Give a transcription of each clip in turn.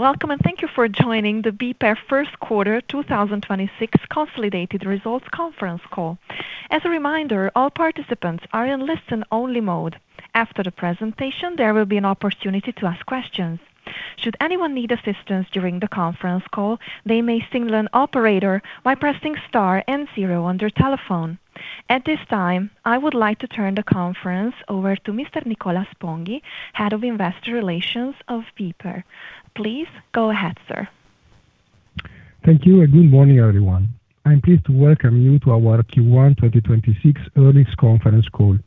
Welcome, and thank you for joining the BPER first quarter 2026 consolidated results conference call. As a reminder, all participants are in listen only mode. After the presentation, there will be an opportunity to ask questions. Should anyone need assistance during the conference call, they may signal an operator by pressing star and zero on their telephone. At this time, I would like to turn the conference over to Mr. Nicola Sponghi, Head of Investor Relations of BPER. Please go ahead, sir. Thank you. Good morning, everyone. I'm pleased to welcome you to our Q1 2026 Earnings Conference Call.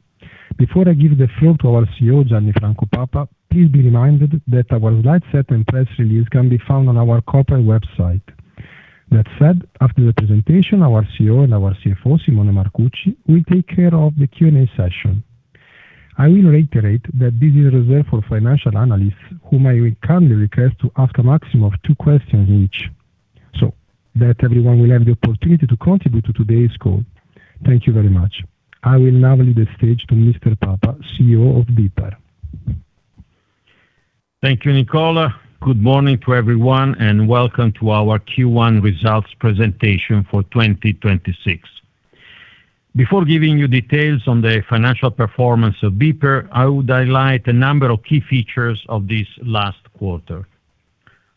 Before I give the floor to our CEO, Gianni Franco Papa, please be reminded that our slide set and press release can be found on our corporate website. That said, after the presentation, our CEO and our CFO, Simone Marcucci, will take care of the Q&A session. I will reiterate that this is reserved for financial analysts, whom I would kindly request to ask a maximum of two questions each, so that everyone will have the opportunity to contribute to today's call. Thank you very much. I will now leave the stage to Mr. Papa, CEO of BPER. Thank you, Nicola. Good morning to everyone, and welcome to our Q1 results presentation for 2026. Before giving you details on the financial performance of BPER, I would highlight a number of key features of this last quarter.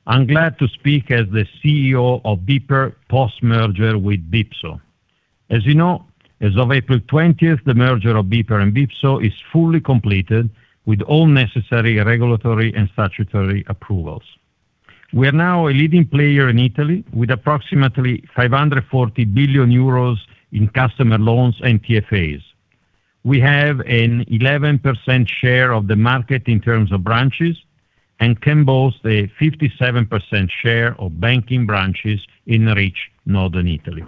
I am glad to speak as the CEO of BPER post-merger with BPSO. As you know, as of April 20, the merger of BPER and BPSO is fully completed with all necessary regulatory and statutory approvals. We are now a leading player in Italy with approximately 540 billion euros in customer loans and TFAs. We have an 11% share of the market in terms of branches and can boast a 57% share of banking branches in rich northern Italy.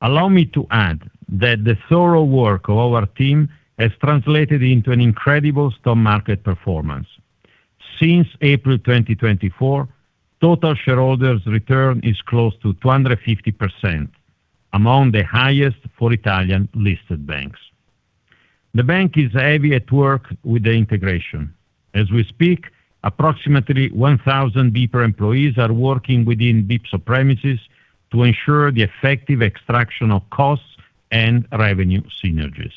Allow me to add that the thorough work of our team has translated into an incredible stock market performance. Since April 2024, total shareholders' return is close to 250%, among the highest for Italian-listed banks. The bank is heavy at work with the integration. As we speak, approximately 1,000 BPER employees are working within BPSO premises to ensure the effective extraction of costs and revenue synergies.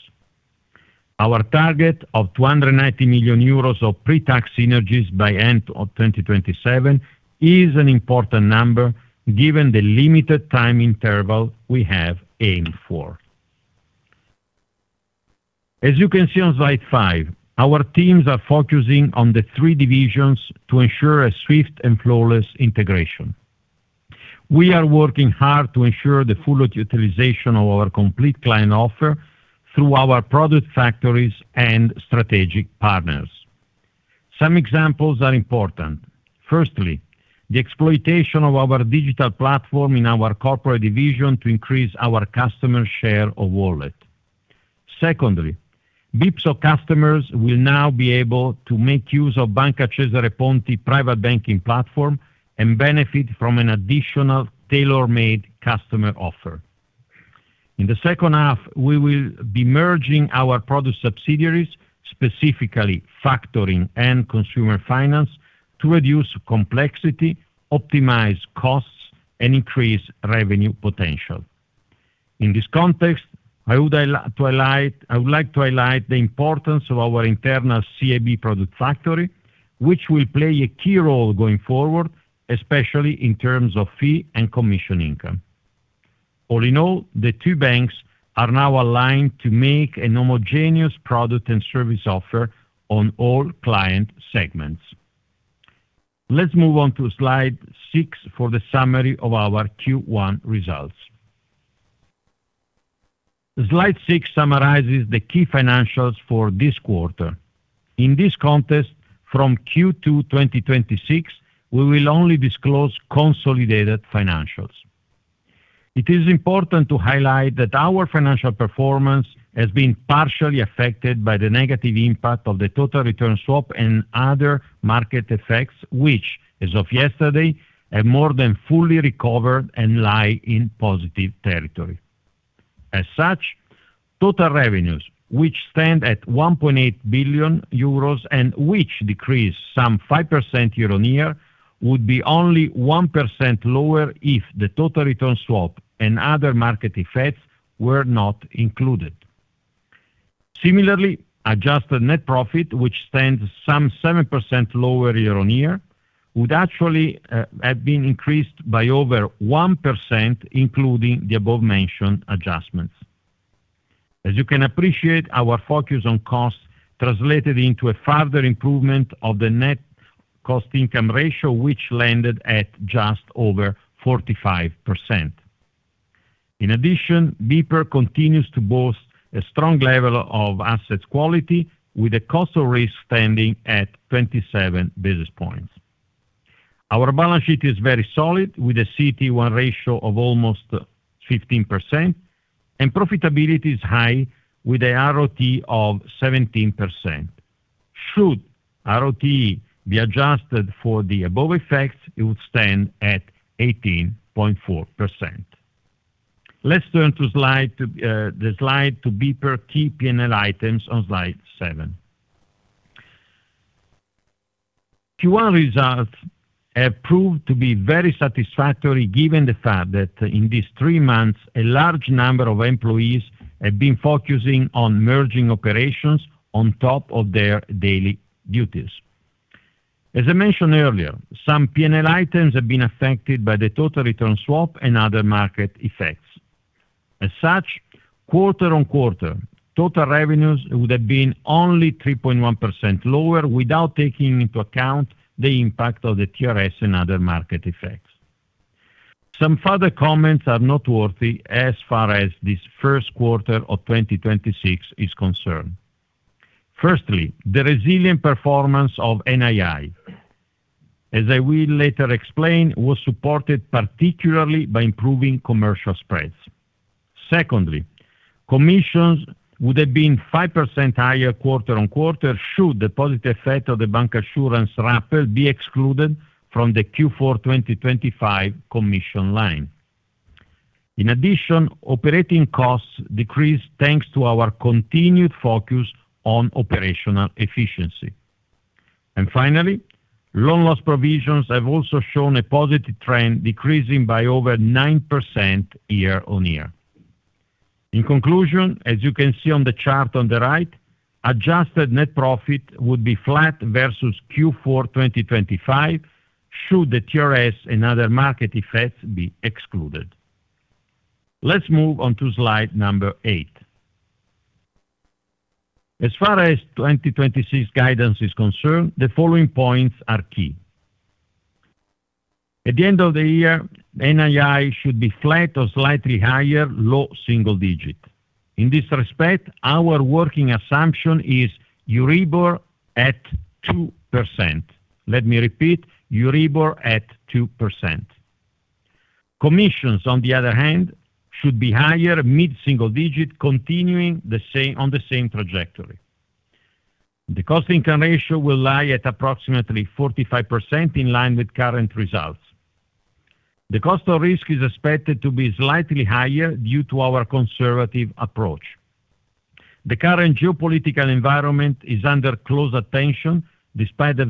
Our target of 290 million euros of pre-tax synergies by end of 2027 is an important number given the limited time interval we have aimed for. As you can see on slide five, our teams are focusing on the three divisions to ensure a swift and flawless integration. We are working hard to ensure the full utilization of our complete client offer through our product factories and strategic partners. Some examples are important. Firstly, the exploitation of our digital platform in our corporate division to increase our customer share of wallet. Secondly, BPSO customers will now be able to make use of Banca Cesare Ponti private banking platform and benefit from an additional tailor-made customer offer. In the second half, we will be merging our product subsidiaries, specifically factoring and consumer finance, to reduce complexity, optimize costs, and increase revenue potential. In this context, I would like to highlight the importance of our internal CIB product factory, which will play a key role going forward, especially in terms of fee and commission income. All in all, the two banks are now aligned to make an homogeneous product and service offer on all client segments. Let's move on to slide six for the summary of our Q1 results. Slide six summarizes the key financials for this quarter. In this context, from Q2 2026, we will only disclose consolidated financials. It is important to highlight that our financial performance has been partially affected by the negative impact of the total return swap and other market effects, which, as of yesterday, have more than fully recovered and lie in positive territory. Total revenues, which stand at 1.8 billion euros and which decreased some 5% year-on-year, would be only 1% lower if the total return swap and other market effects were not included. Similarly, adjusted net profit, which stands some 7% lower year-on-year, would actually have been increased by over 1%, including the above-mentioned adjustments. As you can appreciate, our focus on costs translated into a further improvement of the net cost income ratio, which landed at just over 45%. In addition, BPER continues to boast a strong level of assets quality with the cost of risk standing at 27 basis points. Our balance sheet is very solid, with a CET1 ratio of almost 15%, and profitability is high with a RoTE of 17%. Should RoTE be adjusted for the above effects, it would stand at 18.4%. Let's turn to slide to BPER key P&L items on slide seven. Q1 results have proved to be very satisfactory given the fact that in these three months, a large number of employees have been focusing on merging operations on top of their daily duties. As I mentioned earlier, some P&L items have been affected by the total return swap and other market effects. As such, quarter-on-quarter, total revenues would have been only 3.1% lower without taking into account the impact of the TRS and other market effects. Some further comments are noteworthy as far as this first quarter of 2026 is concerned. Firstly, the resilient performance of NII, as I will later explain, was supported particularly by improving commercial spreads. Secondly, commissions would have been 5% higher quarter-on-quarter should the positive effect of the bancassurance reshuffle be excluded from the Q4 2025 commission line. In addition, operating costs decreased thanks to our continued focus on operational efficiency. Finally, loan loss provisions have also shown a positive trend, decreasing by over 9% year-on-year. In conclusion, as you can see on the chart on the right, adjusted net profit would be flat versus Q4 2025 should the TRS and other market effects be excluded. Let's move on to slide number eight. As far as 2026 guidance is concerned, the following points are key. At the end of the year, NII should be flat or slightly higher, low single digit. In this respect, our working assumption is Euribor at 2%. Let me repeat, Euribor at 2%. Commissions, on the other hand, should be higher mid-single digit, continuing the same, on the same trajectory. The cost income ratio will lie at approximately 45% in line with current results. The cost of risk is expected to be slightly higher due to our conservative approach. The current geopolitical environment is under close attention despite the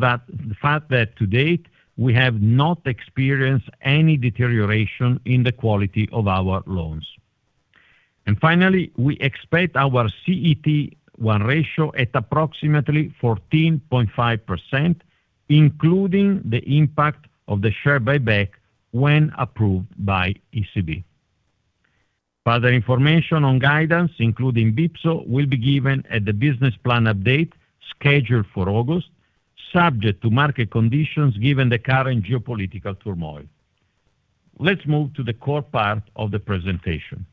fact that to date, we have not experienced any deterioration in the quality of our loans. Finally, we expect our CET1 ratio at approximately 14.5%, including the impact of the share buyback when approved by ECB. Further information on guidance, including BPSO, will be given at the business plan update scheduled for August, subject to market conditions given the current geopolitical turmoil. Let's move to the core part of the presentation.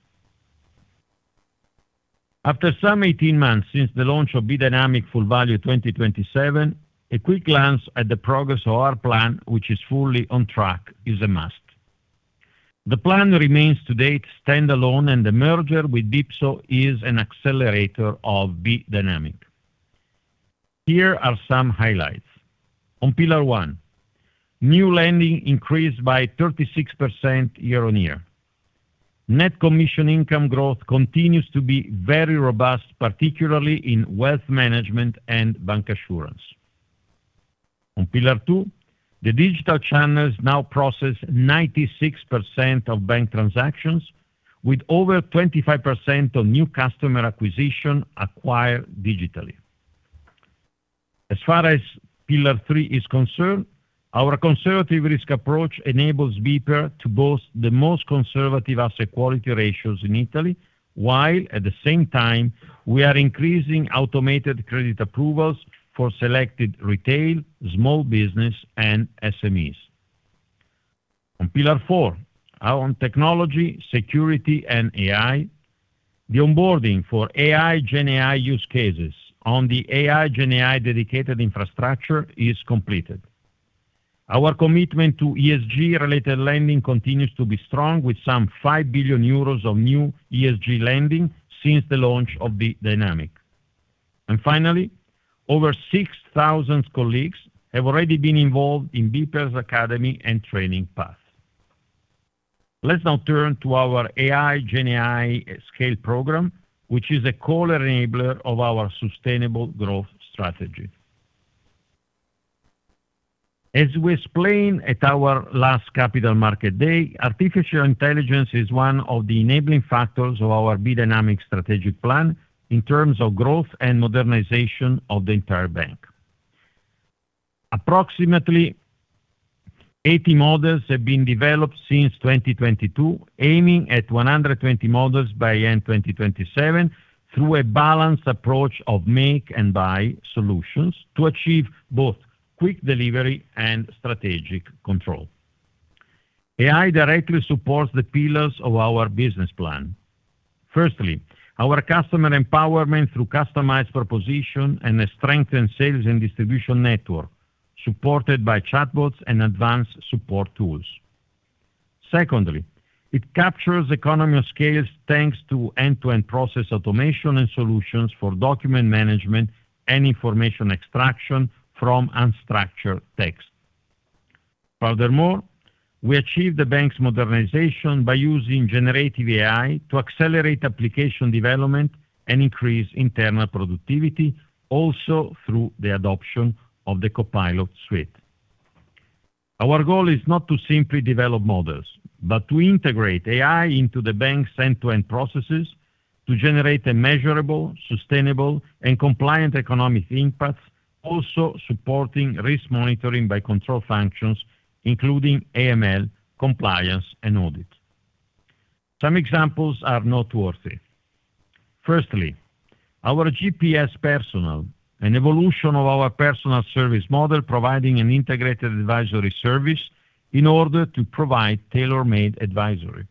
After some 18 months since the launch of B:Dynamic Full Value 2027, a quick glance at the progress of our plan, which is fully on track, is a must. The plan remains to date standalone. The merger with BPSO is an accelerator of B:Dynamic. Here are some highlights. On pillar one, new lending increased by 36% year-on-year. Net commission income growth continues to be very robust, particularly in wealth management and bancassurance. On pillar two, the digital channels now process 96% of bank transactions with over 25% of new customer acquisition acquired digitally. As far as pillar three is concerned, our conservative risk approach enables BPER to boast the most conservative asset quality ratios in Italy, while at the same time, we are increasing automated credit approvals for selected retail, small business, and SMEs. On pillar four, our technology, security, and AI, the onboarding for AI/GenAI use cases on the AI/GenAI dedicated infrastructure is completed. Our commitment to ESG-related lending continues to be strong with some 5 billion euros of new ESG lending since the launch of B:Dynamic. Finally, over 6,000 colleagues have already been involved in BPER's academy and training path. Let's now turn to our AI/GenAI scale program, which is a core enabler of our sustainable growth strategy. As we explained at our last Capital Markets Day, artificial intelligence is one of the enabling factors of our B:Dynamic strategic plan in terms of growth and modernization of the entire bank. Approximately 80 models have been developed since 2022, aiming at 120 models by end 2027 through a balanced approach of make and buy solutions to achieve both quick delivery and strategic control. AI directly supports the pillars of our business plan. Firstly, our customer empowerment through customized proposition and a strengthened sales and distribution network supported by chatbots and advanced support tools. Secondly, it captures economy of scales, thanks to end-to-end process automation and solutions for document management and information extraction from unstructured text. Furthermore, we achieved the bank's modernization by using generative AI to accelerate application development and increase internal productivity also through the adoption of the Copilot Suite. Our goal is not to simply develop models, but to integrate AI into the bank's end-to-end processes to generate a measurable, sustainable, and compliant economic impact also supporting risk monitoring by control functions, including AML, compliance, and audit. Some examples are noteworthy. Firstly, our GPS personal, an evolution of our personal service model providing an integrated advisory service in order to provide tailor-made advisory.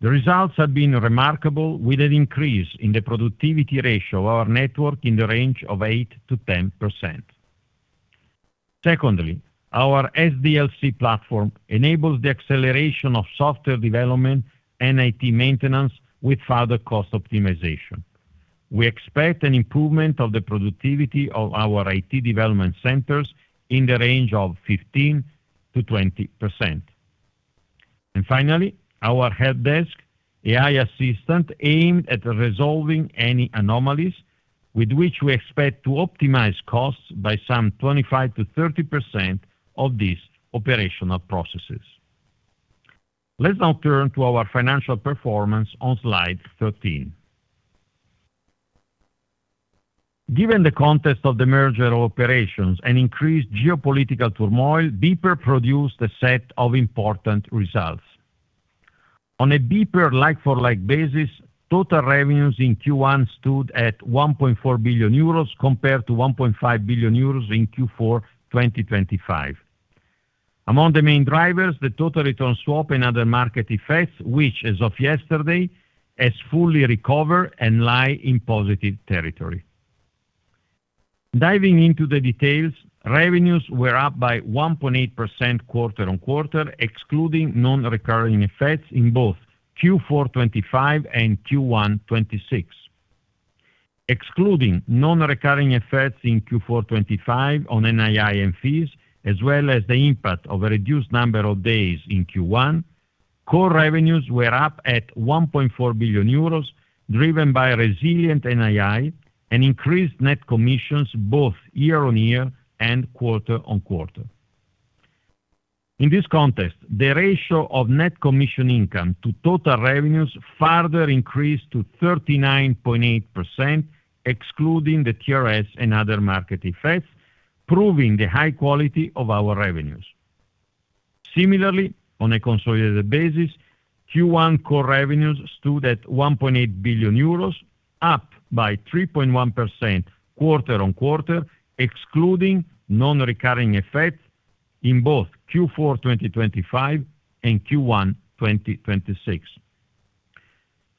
The results have been remarkable with an increase in the productivity ratio of our network in the range of 8%-10%. Secondly, our SDLC platform enables the acceleration of software development and IT maintenance with further cost optimization. We expect an improvement of the productivity of our IT development centers in the range of 15%-20%. Finally, our helpdesk AI assistant aimed at resolving any anomalies with which we expect to optimize costs by some 25%-30% of these operational processes. Let's now turn to our financial performance on slide 13. Given the context of the merger operations and increased geopolitical turmoil, BPER produced a set of important results. On a BPER like-for-like basis, total revenues in Q1 stood at 1.4 billion euros compared to 1.5 billion euros in Q4 2025. Among the main drivers, the total return swap and other market effects, which as of yesterday has fully recovered and lie in positive territory. Diving into the details, revenues were up by 1.8% quarter-on-quarter, excluding non-recurring effects in both Q4 2025 and Q1 2026. Excluding non-recurring effects in Q4 2025 on NII and fees, as well as the impact of a reduced number of days in Q1, core revenues were up at 1.4 billion euros, driven by resilient NII and increased net commissions both year-on-year and quarter-on-quarter. In this context, the ratio of net commission income to total revenues further increased to 39.8%, excluding the TRS and other market effects, proving the high quality of our revenues. Similarly, on a consolidated basis, Q1 core revenues stood at 1.8 billion euros, up by 3.1% quarter-on-quarter, excluding non-recurring effects in both Q4 2025 and Q1 2026.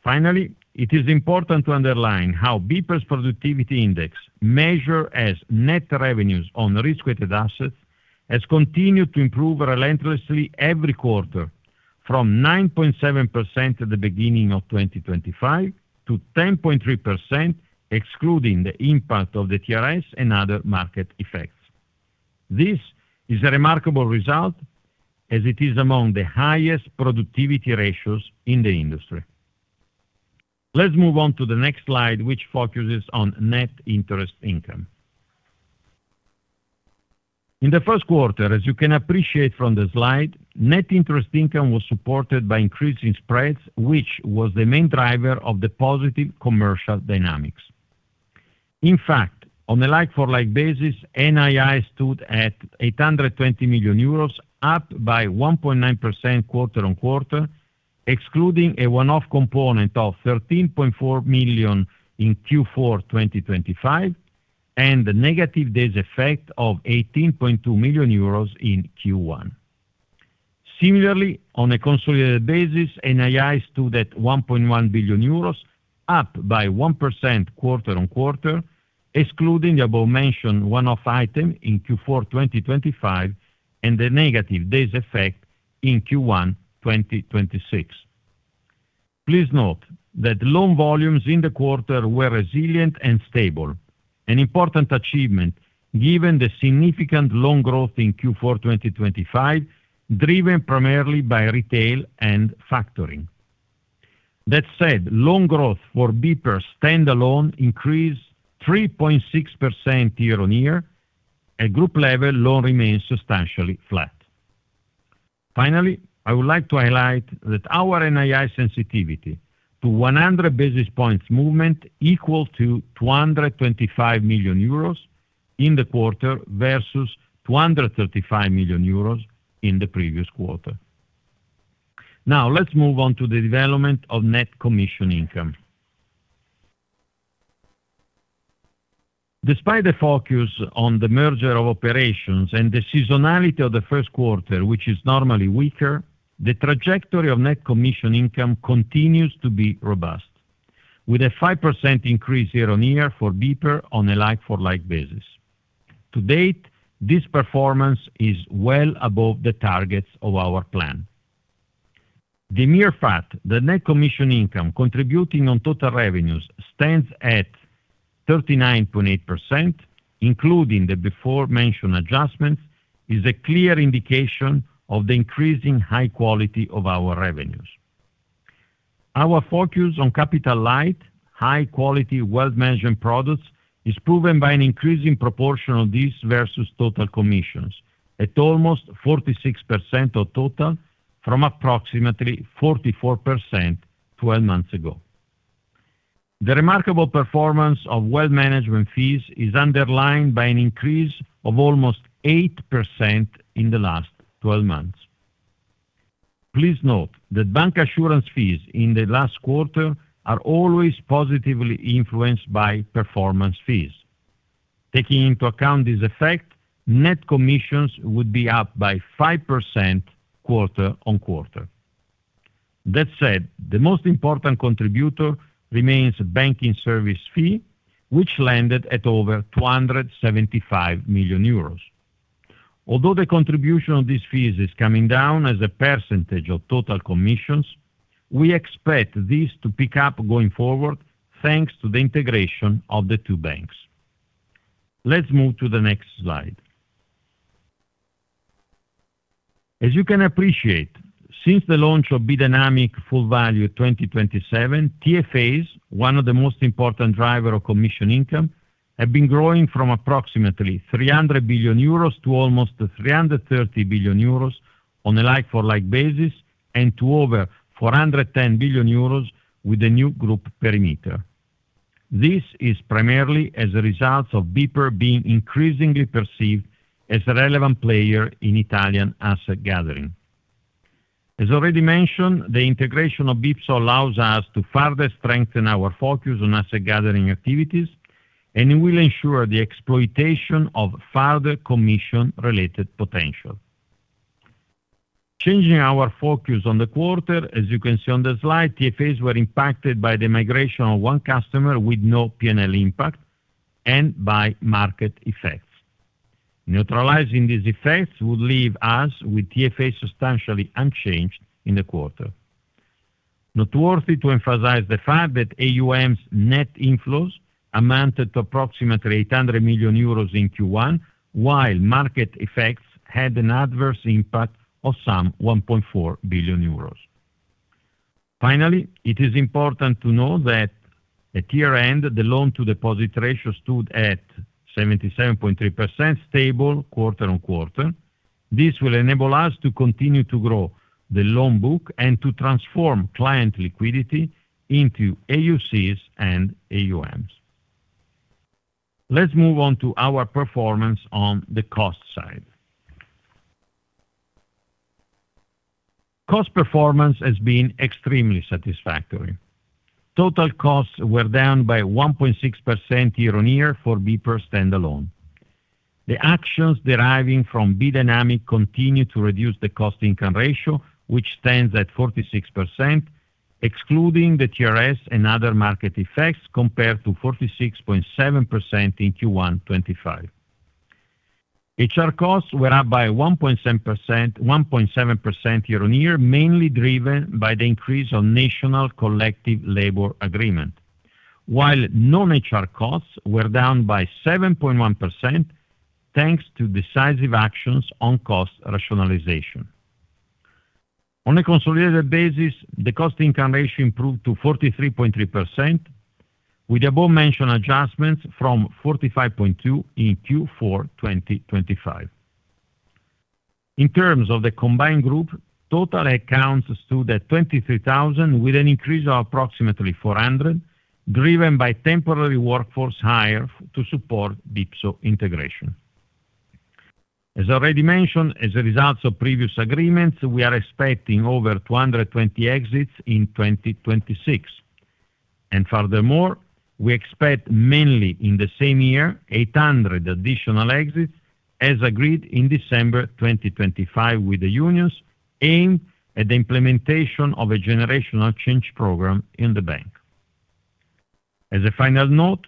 Finally, it is important to underline how BPER's productivity index measure as net revenues on risk-weighted assets has continued to improve relentlessly every quarter from 9.7% at the beginning of 2025 to 10.3%, excluding the impact of the TRS and other market effects. This is a remarkable result as it is among the highest productivity ratios in the industry. Let's move on to the next slide, which focuses on net interest income. In the first quarter, as you can appreciate from the slide, net interest income was supported by increasing spreads, which was the main driver of the positive commercial dynamics. In fact, on a like-for-like basis, NII stood at 820 million euros, up by 1.9% quarter-on-quarter, excluding a one-off component of 13.4 million in Q4 2025 and the negative days effect of 18.2 million euros in Q1. Similarly, on a consolidated basis, NII stood at 1.1 billion euros, up by 1% quarter-on-quarter, excluding the above-mentioned one-off item in Q4 2025 and the negative days effect in Q1 2026. Please note that loan volumes in the quarter were resilient and stable, an important achievement given the significant loan growth in Q4 2025, driven primarily by retail and factoring. That said, loan growth for BPER standalone increased 3.6% year-on-year. At group level, loan remains substantially flat. Finally, I would like to highlight that our NII sensitivity to 100 basis points movement equal to 225 million euros in the quarter versus 235 million euros in the previous quarter. Let's move on to the development of net commission income. Despite the focus on the merger of operations and the seasonality of the first quarter, which is normally weaker, the trajectory of net commission income continues to be robust, with a 5% increase year-on-year for BPER on a like-for-like basis. To date, this performance is well above the targets of our plan. The mere fact that net commission income contributing on total revenues stands at 39.8%, including the before-mentioned adjustments, is a clear indication of the increasing high quality of our revenues. Our focus on capital light, high quality wealth management products is proven by an increasing proportion of these versus total commissions at almost 46% of total from approximately 44% 12 months ago. The remarkable performance of wealth management fees is underlined by an increase of almost 8% in the last 12 months. Please note that bancassurance fees in the last quarter are always positively influenced by performance fees. Taking into account this effect, net commissions would be up by 5% quarter on quarter. The most important contributor remains banking service fee, which landed at over 275 million euros. Although the contribution of these fees is coming down as a percentage of total commissions, we expect this to pick up going forward thanks to the integration of the two banks. Let's move to the next slide. As you can appreciate, since the launch of B:Dynamic Full Value 2027, TFAs, one of the most important driver of commission income, have been growing from approximately 300 billion euros to almost 330 billion euros on a like-for-like basis, and to over 410 billion euros with the new group perimeter. This is primarily as a result of BPER being increasingly perceived as a relevant player in Italian asset gathering. As already mentioned, the integration of BPSO allows us to further strengthen our focus on asset gathering activities, and it will ensure the exploitation of further commission-related potential. Changing our focus on the quarter, as you can see on the slide, TFAs were impacted by the migration of one customer with no P&L impact and by market effects. Neutralizing these effects would leave us with TFAs substantially unchanged in the quarter. Noteworthy to emphasize the fact that AUM's net inflows amounted to approximately 800 million euros in Q1, while market effects had an adverse impact of some 1.4 billion euros. Finally, it is important to note that at year-end, the loan-to-deposit ratio stood at 77.3% stable quarter-on-quarter. This will enable us to continue to grow the loan book and to transform client liquidity into AUCs and AUMs. Let's move on to our performance on the cost side. Cost performance has been extremely satisfactory. Total costs were down by 1.6% year-on-year for BPER standalone. The actions deriving from B:Dynamic continue to reduce the cost-income ratio, which stands at 46%, excluding the TRS and other market effects compared to 46.7% in Q1 2025. HR costs were up by 1.7%, 1.7% year-on-year, mainly driven by the increase on national collective labor agreement. While non-HR costs were down by 7.1%, thanks to decisive actions on cost rationalization. On a consolidated basis, the cost-income ratio improved to 43.3% with above-mentioned adjustments from 45.2% in Q4 2025. In terms of the combined group, total headcount stood at 23,000 with an increase of approximately 400, driven by temporary workforce hire to support BPSO integration. As already mentioned, as a result of previous agreements, we are expecting over 220 exits in 2026. Furthermore, we expect mainly in the same year, 800 additional exits as agreed in December 2025 with the unions aimed at the implementation of a generational change program in the bank. As a final note,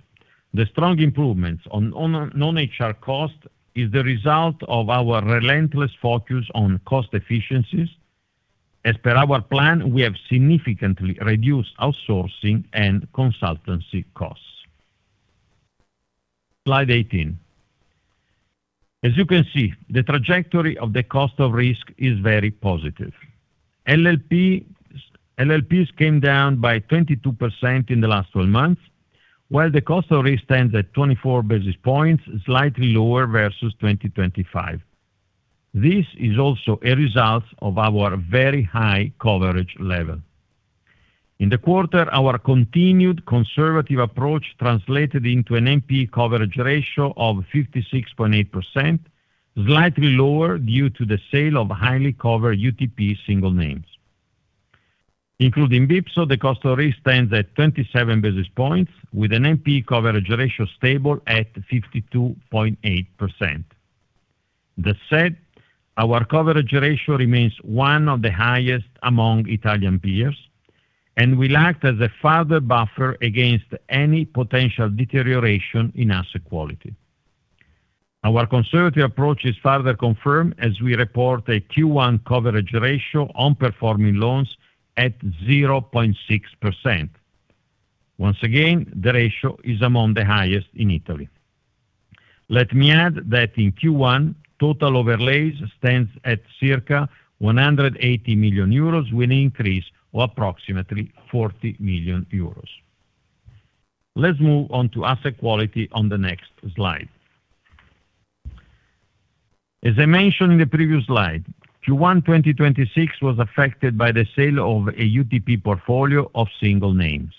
the strong improvements on non-HR cost is the result of our relentless focus on cost efficiencies. As per our plan, we have significantly reduced outsourcing and consultancy costs. Slide 18. As you can see, the trajectory of the cost of risk is very positive. LLPs came down by 22% in the last 12 months, while the cost of risk stands at 24 basis points, slightly lower versus 2025. This is also a result of our very high coverage level. In the quarter, our continued conservative approach translated into an NPE coverage ratio of 56.8%, slightly lower due to the sale of highly covered UTP single names. Including BPSO, the cost of risk stands at 27 basis points with an NPE coverage ratio stable at 52.8%. That said, our coverage ratio remains one of the highest among Italian peers, and will act as a further buffer against any potential deterioration in asset quality. Our conservative approach is further confirmed as we report a Q1 coverage ratio on performing loans at 0.6%. Once again, the ratio is among the highest in Italy. Let me add that in Q1, total overlays stands at circa 180 million euros, with an increase of approximately 40 million euros. Let's move on to asset quality on the next slide. As I mentioned in the previous slide, Q1 2026 was affected by the sale of a UTP portfolio of single names.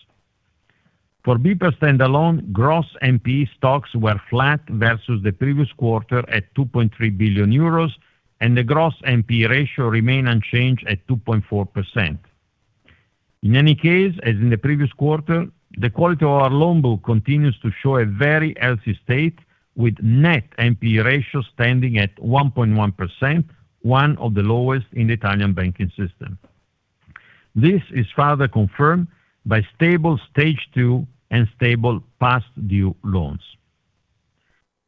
For BPER standalone, gross NPE stocks were flat versus the previous quarter at 2.3 billion euros, and the gross NPE ratio remained unchanged at 2.4%. In any case, as in the previous quarter, the quality of our loan book continues to show a very healthy state, with net NPE ratio standing at 1.1%, one of the lowest in the Italian banking system. This is further confirmed by stable Stage 2 and stable Past Due loans.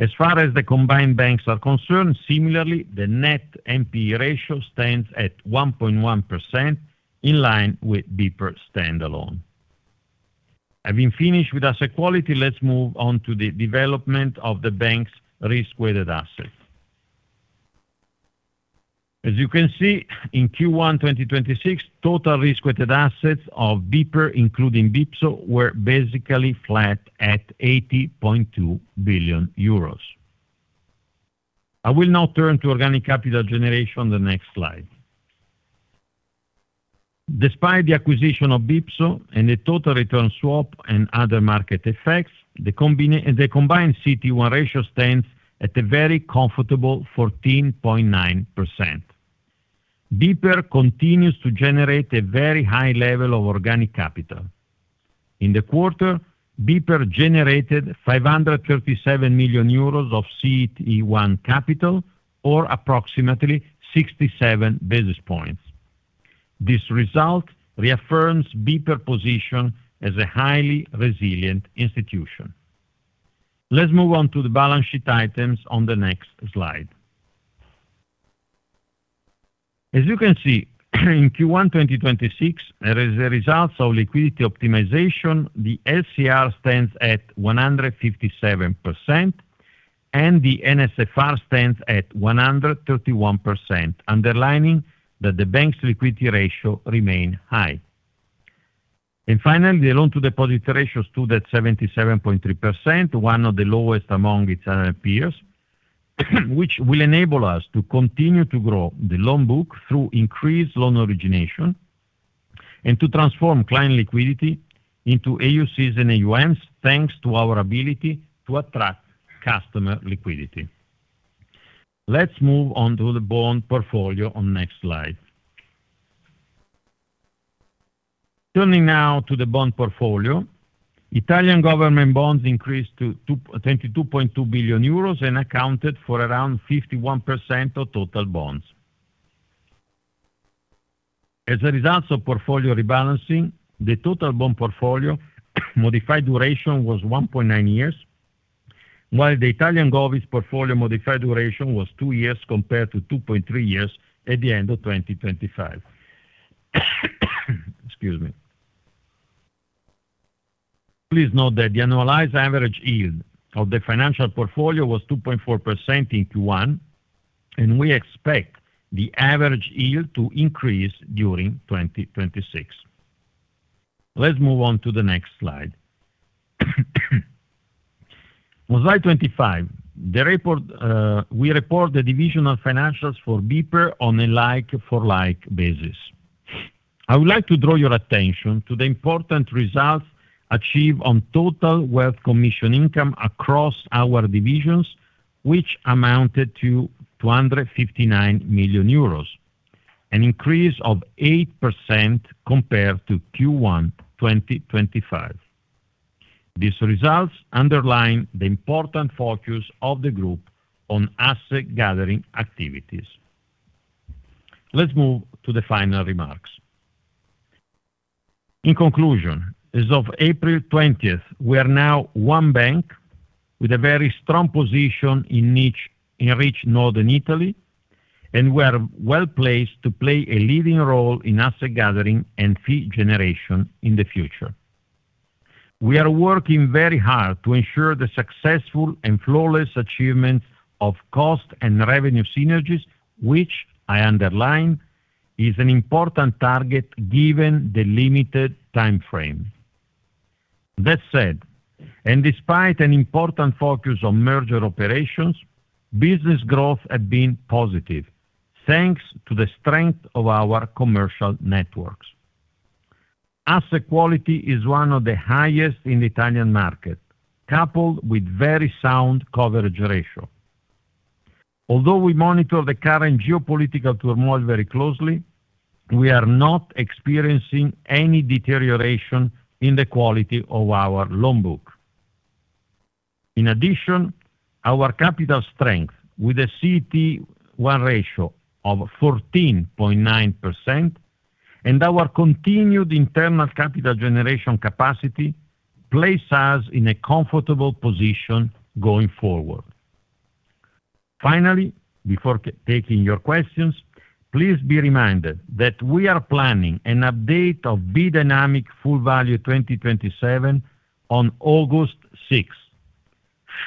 As far as the combined banks are concerned, similarly, the net NPE ratio stands at 1.1%, in line with BPER standalone. Having finished with asset quality, let's move on to the development of the bank's risk-weighted assets. As you can see, in Q1 2026, total risk-weighted assets of BPER, including BPSO, were basically flat at 80.2 billion euros. I will now turn to organic capital generation on the next slide. Despite the acquisition of BPSO and the total return swap and other market effects, the combined CET1 ratio stands at a very comfortable 14.9%. BPER continues to generate a very high level of organic capital. In the quarter, BPER generated 537 million euros of CET1 capital, or approximately 67 basis points. This result reaffirms BPER position as a highly resilient institution. Let's move on to the balance sheet items on the next slide. As you can see, in Q1 2026, as a result of liquidity optimization, the LCR stands at 157% and the NSFR stands at 131%, underlining that the bank's liquidity ratio remain high. Finally, the loan-to-deposit ratio stood at 77.3%, one of the lowest among its peers, which will enable us to continue to grow the loan book through increased loan origination and to transform client liquidity into AUCs and AUMs, thanks to our ability to attract customer liquidity. Let's move on to the bond portfolio on next slide. Turning now to the bond portfolio, Italian government bonds increased to 222.2 billion euros and accounted for around 51% of total bonds. As a result of portfolio rebalancing, the total bond portfolio modified duration was 1.9 years, while the Italian Govies portfolio modified duration was two years compared to 2.3 years at the end of 2025. Excuse me. Please note that the annualized average yield of the financial portfolio was 2.4% in Q1. We expect the average yield to increase during 2026. Let's move on to the next slide. On slide 25, the report, we report the divisional financials for BPER on a like-for-like basis. I would like to draw your attention to the important results achieved on total wealth commission income across our divisions, which amounted to 259 million euros, an increase of 8% compared to Q1 2025. These results underline the important focus of the group on asset gathering activities. Let's move to the final remarks. In conclusion, as of April 20th, we are now one bank with a very strong position in each in rich Northern Italy. We are well-placed to play a leading role in asset gathering and fee generation in the future. We are working very hard to ensure the successful and flawless achievement of cost and revenue synergies, which I underline is an important target given the limited timeframe. That said, and despite an important focus on merger operations, business growth has been positive, thanks to the strength of our commercial networks. Asset quality is one of the highest in the Italian market, coupled with very sound coverage ratio. Although we monitor the current geopolitical turmoil very closely, we are not experiencing any deterioration in the quality of our loan book. In addition, our capital strength with a CET1 ratio of 14.9% and our continued internal capital generation capacity place us in a comfortable position going forward. Finally, before taking your questions, please be reminded that we are planning an update of B:Dynamic Full Value 2027 on August 6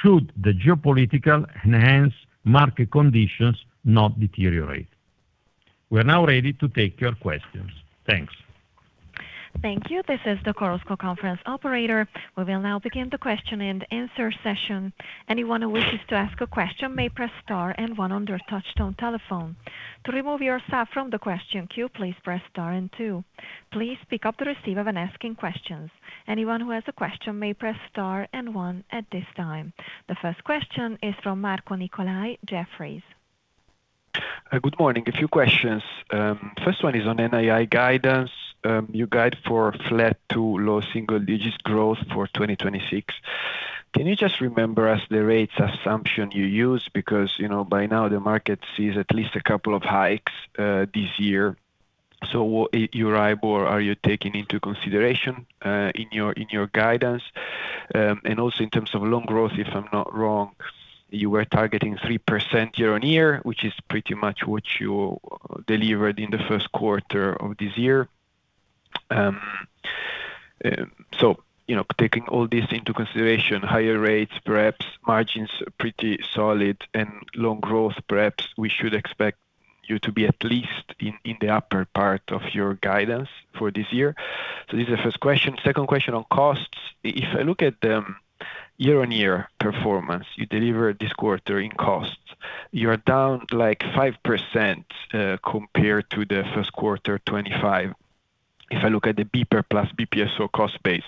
should the geopolitical enhanced market conditions not deteriorate. We are now ready to take your questions. Thanks. Thank you. This is the Chorus Call conference operator. We will now begin the question and answer session. Anyone who wishes to ask a question may press star and one on their touch tone telephone. To remove yourself from the question queue, please press star and two. Please pick up the receiver when asking questions. Anyone who has a question may press star and one at this time. The first question is from Marco Nicolai, Jefferies. Good morning. A few questions. First one is on NII guidance. You guide for flat to low single digits growth for 2026. Can you just remember us the rates assumption you used? Because, you know, by now the market sees at least a couple of hikes this year. Euribor, are you taking into consideration in your, in your guidance? Also in terms of loan growth, if I'm not wrong, you were targeting 3% year on year, which is pretty much what you delivered in the first quarter of this year. You know, taking all this into consideration, higher rates, perhaps margins are pretty solid and loan growth, perhaps we should expect you to be at least in the upper part of your guidance for this year. This is the first question. Second question on costs. If I look at the year-on-year performance you delivered this quarter in costs, you are down like 5% compared to the first quarter 2025. If I look at the BPER plus BPSO cost base.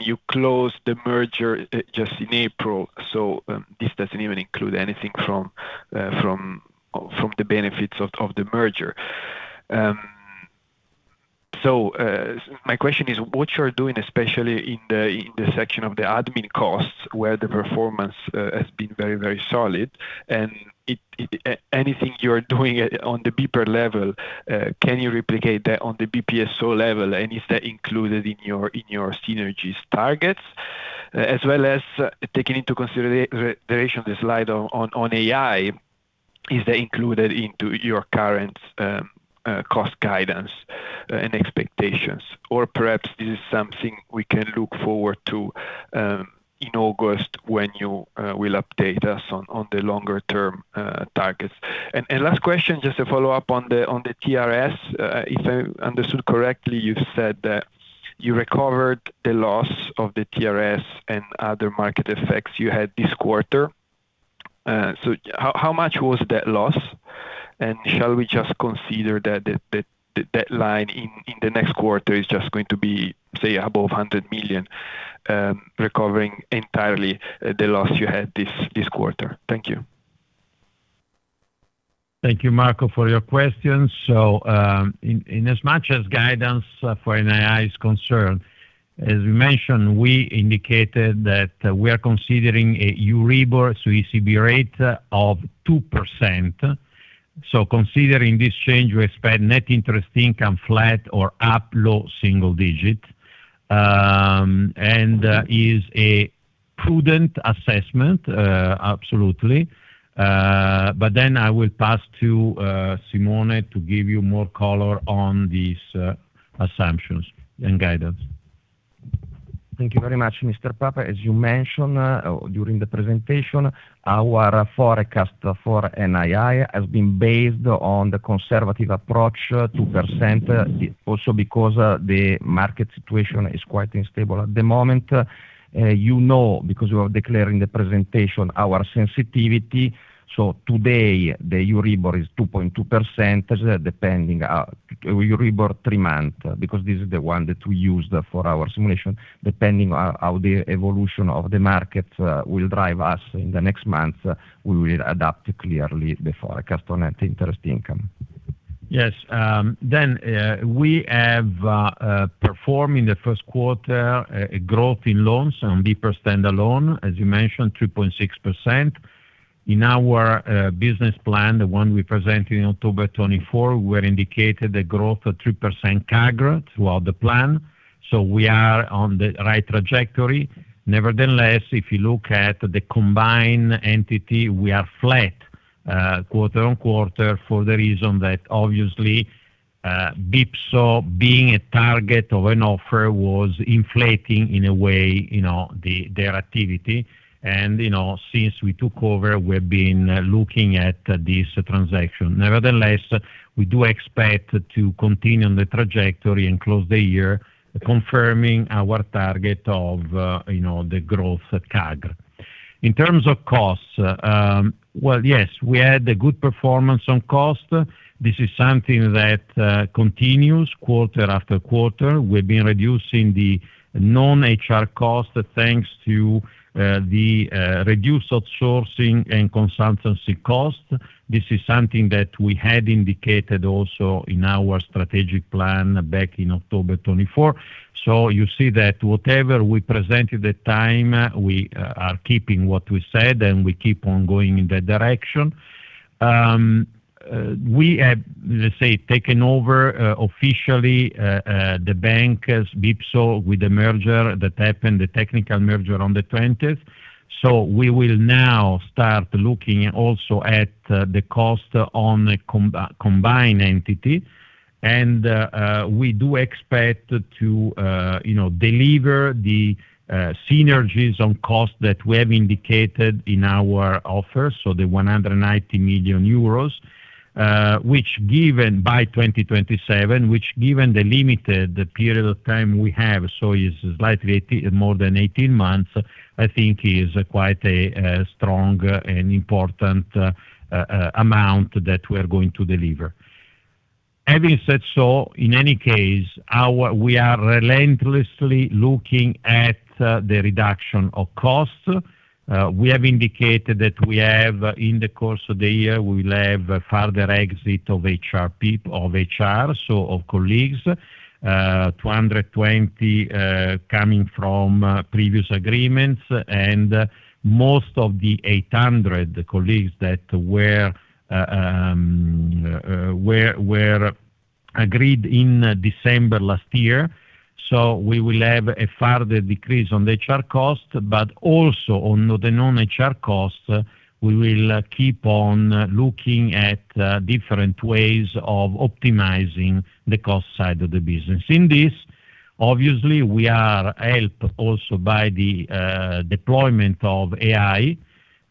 You closed the merger just in April, this doesn't even include anything from the benefits of the merger. My question is what you're doing, especially in the section of the admin costs, where the performance has been very solid, and anything you are doing on the BPER level, can you replicate that on the BPSO level, and is that included in your synergies targets? As well as taking into consideration the slide on AI, is that included into your current cost guidance and expectations? Perhaps this is something we can look forward to in August when you will update us on the longer term targets. Last question, just to follow up on the TRS. If I understood correctly, you said that you recovered the loss of the TRS and other market effects you had this quarter. How much was that loss? Shall we just consider that line in the next quarter is just going to be, say, above 100 million, recovering entirely the loss you had this quarter? Thank you. Thank you, Marco, for your questions. In as much as guidance for NII is concerned, as we mentioned, we indicated that we are considering a Euribor, so ECB rate of 2%. Considering this change, we expect net interest income flat or up low single digit. Is a prudent assessment, absolutely. I will pass to Simone to give you more color on these assumptions and guidance. Thank you very much, Mr. Papa. You mentioned, during the presentation, our forecast for NII has been based on the conservative approach, 2%, also because the market situation is quite unstable at the moment. You know, because you are declaring the presentation our sensitivity. Today the Euribor is 2.2%, depending, Euribor three-month, because this is the one that we use for our simulation. Depending on how the evolution of the market will drive us in the next month, we will adapt clearly the forecast on net interest income. Yes. We have performed in the first quarter a growth in loans on BPER stand-alone, as you mentioned, 3.6%. In our business plan, the one we presented in October 2024, we had indicated a growth of 3% CAGR throughout the plan. We are on the right trajectory. Nevertheless, if you look at the combined entity, we are flat, quarter-on-quarter for the reason that obviously, BPSO being a target of an offer was inflating in a way, you know, their activity. You know, since we took over, we've been looking at this transaction. Nevertheless, we do expect to continue on the trajectory and close the year confirming our target of, you know, the growth at CAGR. In terms of costs, well, yes, we had a good performance on cost. This is something that continues quarter after quarter. We've been reducing the non-HR costs, thanks to the reduced outsourcing and consultancy costs. This is something that we had indicated also in our strategic plan back in October 24. You see that whatever we presented at the time, we are keeping what we said, and we keep on going in that direction. We have, let's say, taken over officially the bank as BPSO with the merger that happened, the technical merger on the 20th. We will now start looking also at the cost on a combined entity. We do expect to deliver the synergies on cost that we have indicated in our offer, so 190 million euros, which given by 2027, which given the limited period of time we have, so is more than 18 months, I think is quite a strong and important amount that we are going to deliver. Having said so, in any case, we are relentlessly looking at the reduction of costs. We have indicated that we have, in the course of the year, we will have further exit of HR, so of colleagues, 220 coming from previous agreements, and most of the 800 colleagues that were agreed in December last year. We will have a further decrease on the HR cost, but also on the non-HR costs, we will keep on looking at different ways of optimizing the cost side of the business. In this, obviously, we are helped also by the deployment of AI.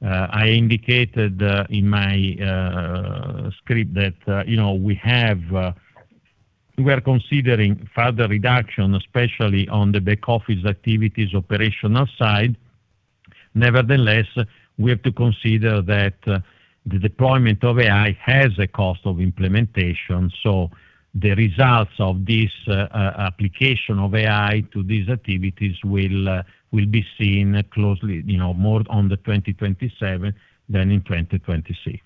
I indicated in my script that, you know, we are considering further reduction, especially on the back office activities operational side. Nevertheless, we have to consider that the deployment of AI has a cost of implementation, so the results of this application of AI to these activities will be seen closely, you know, more on the 2027 than in 2026.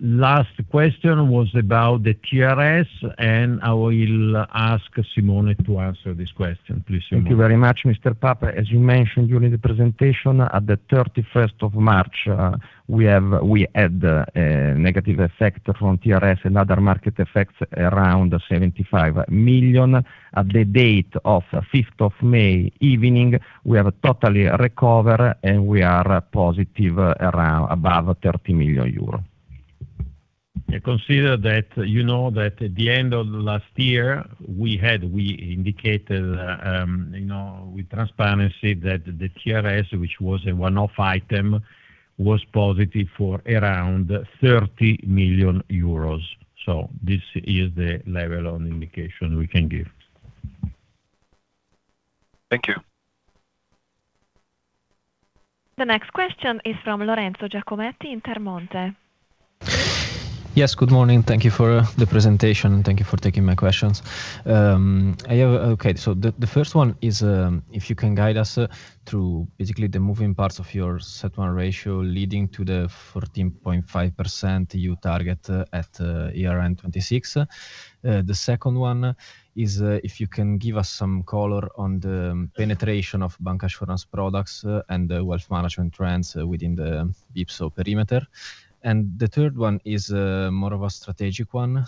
Last question was about the TRS, and I will ask Simone to answer this question. Please, Simone. Thank you very much, Mr. Papa. As you mentioned during the presentation, at the 31st of March, we had a negative effect from TRS and other market effects around 75 million. At the date of 5th of May evening, we have totally recover, and we are positive around above 30 million euro. Consider that, you know that at the end of last year, we indicated, you know, with transparency that the TRS, which was a one-off item, was positive for around 30 million euros. This is the level of indication we can give. Thank you. The next question is from Lorenzo Giacometti, Intermonte. Yes, good morning. Thank you for the presentation, and thank you for taking my questions. So the first one is, if you can guide us through basically the moving parts of your CET1 ratio leading to the 14.5% you target at year-end 2026. The second one is, if you can give us some color on the penetration of bancassurance products and the wealth management trends within the BPSO perimeter. The third one is, more of a strategic one.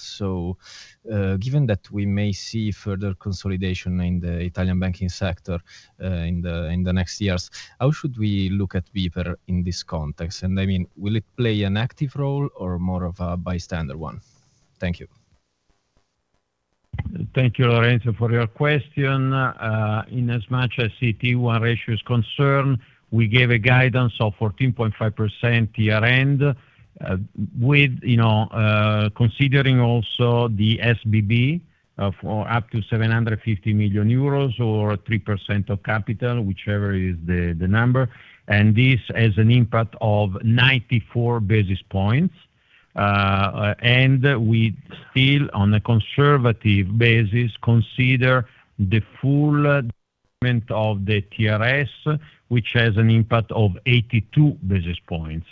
Given that we may see further consolidation in the Italian banking sector, in the next years, how should we look at BPER in this context? I mean, will it play an active role or more of a bystander one? Thank you. Thank you, Lorenzo, for your question. In as much as CET1 ratio is concerned, we gave a guidance of 14.5% year end, with, you know, considering also the SBB of up to 750 million euros or 3% of capital, whichever is the number. This has an impact of 94 basis points. We still, on a conservative basis, consider the full deployment of the TRS, which has an impact of 82 basis points.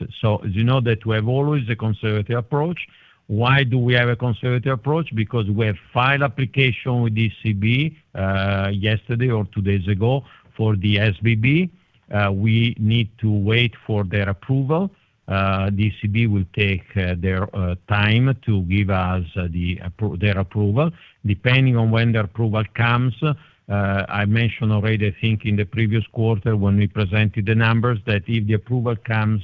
You know that we have always a conservative approach. Why do we have a conservative approach? Because we have filed application with ECB, yesterday or two days ago for the SBB. We need to wait for their approval. ECB will take their time to give us their approval. Depending on when the approval comes, I mentioned already, I think, in the previous quarter when we presented the numbers, that if the approval comes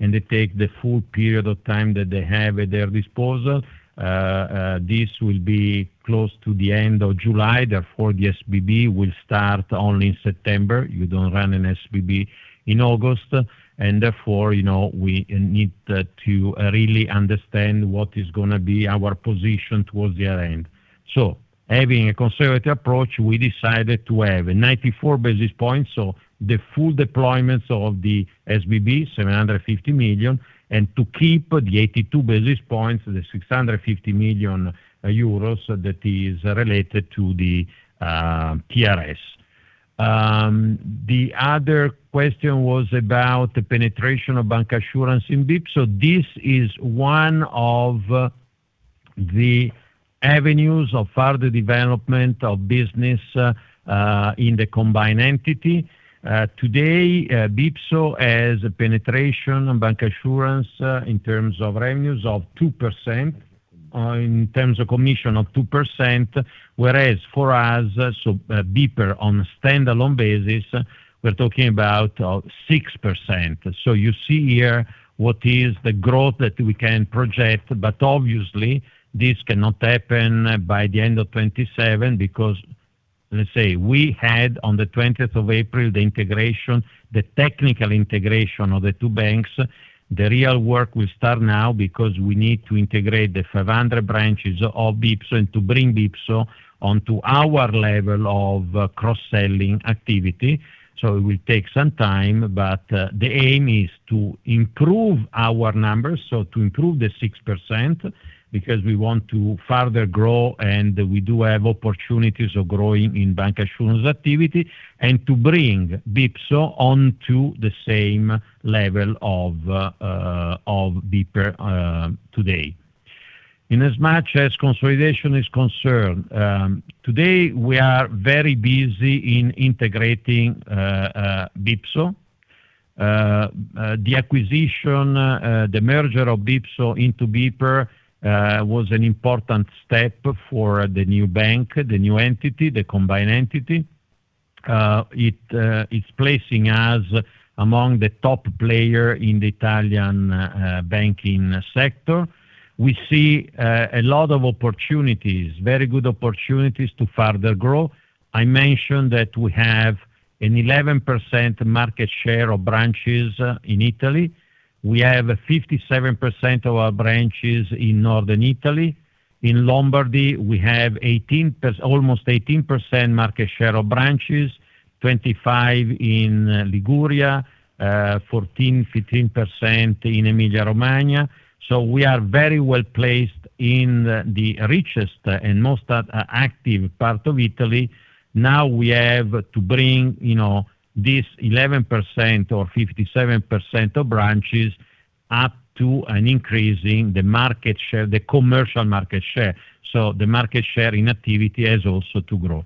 and they take the full period of time that they have at their disposal, this will be close to the end of July. Therefore, the SBB will start only in September. You don't run an SBB in August. Therefore, you know, we need to really understand what is going to be our position towards the year end. Having a conservative approach, we decided to have 94 basis points, so the full deployments of the SBB, 750 million, and to keep the 82 basis points, the 650 million euros that is related to the TRS. The other question was about the penetration of bancassurance in BPSO. This is one of the avenues of further development of business in the combined entity. Today, BPSO has a penetration on bancassurance in terms of revenues of 2%, in terms of commission of 2%, whereas for us, BPER on a standalone basis, we're talking about 6%. You see here what is the growth that we can project. Obviously, this cannot happen by the end of 2027 because, let's say, we had on the 20th of April, the integration, the technical integration of the two banks. The real work will start now because we need to integrate the 500 branches of BPSO and to bring BPSO onto our level of cross-selling activity. It will take some time, but the aim is to improve our numbers, to improve the 6%, because we want to further grow, and we do have opportunities of growing in bancassurance activity, and to bring BPSO onto the same level of BPER today. In as much as consolidation is concerned, today we are very busy in integrating BPSO. The acquisition, the merger of BPSO into BPER was an important step for the new bank, the new entity, the combined entity. It is placing us among the top player in the Italian banking sector. We see a lot of opportunities, very good opportunities to further grow. I mentioned that we have an 11% market share of branches in Italy. We have 57% of our branches in Northern Italy. In Lombardy, we have almost 18% market share of branches, 25% in Liguria, 14%, 15% in Emilia-Romagna. We are very well-placed in the richest and most active part of Italy. Now we have to bring, you know, this 11% or 57% of branches up to an increase in the market share, the commercial market share. The market share in activity has also to grow.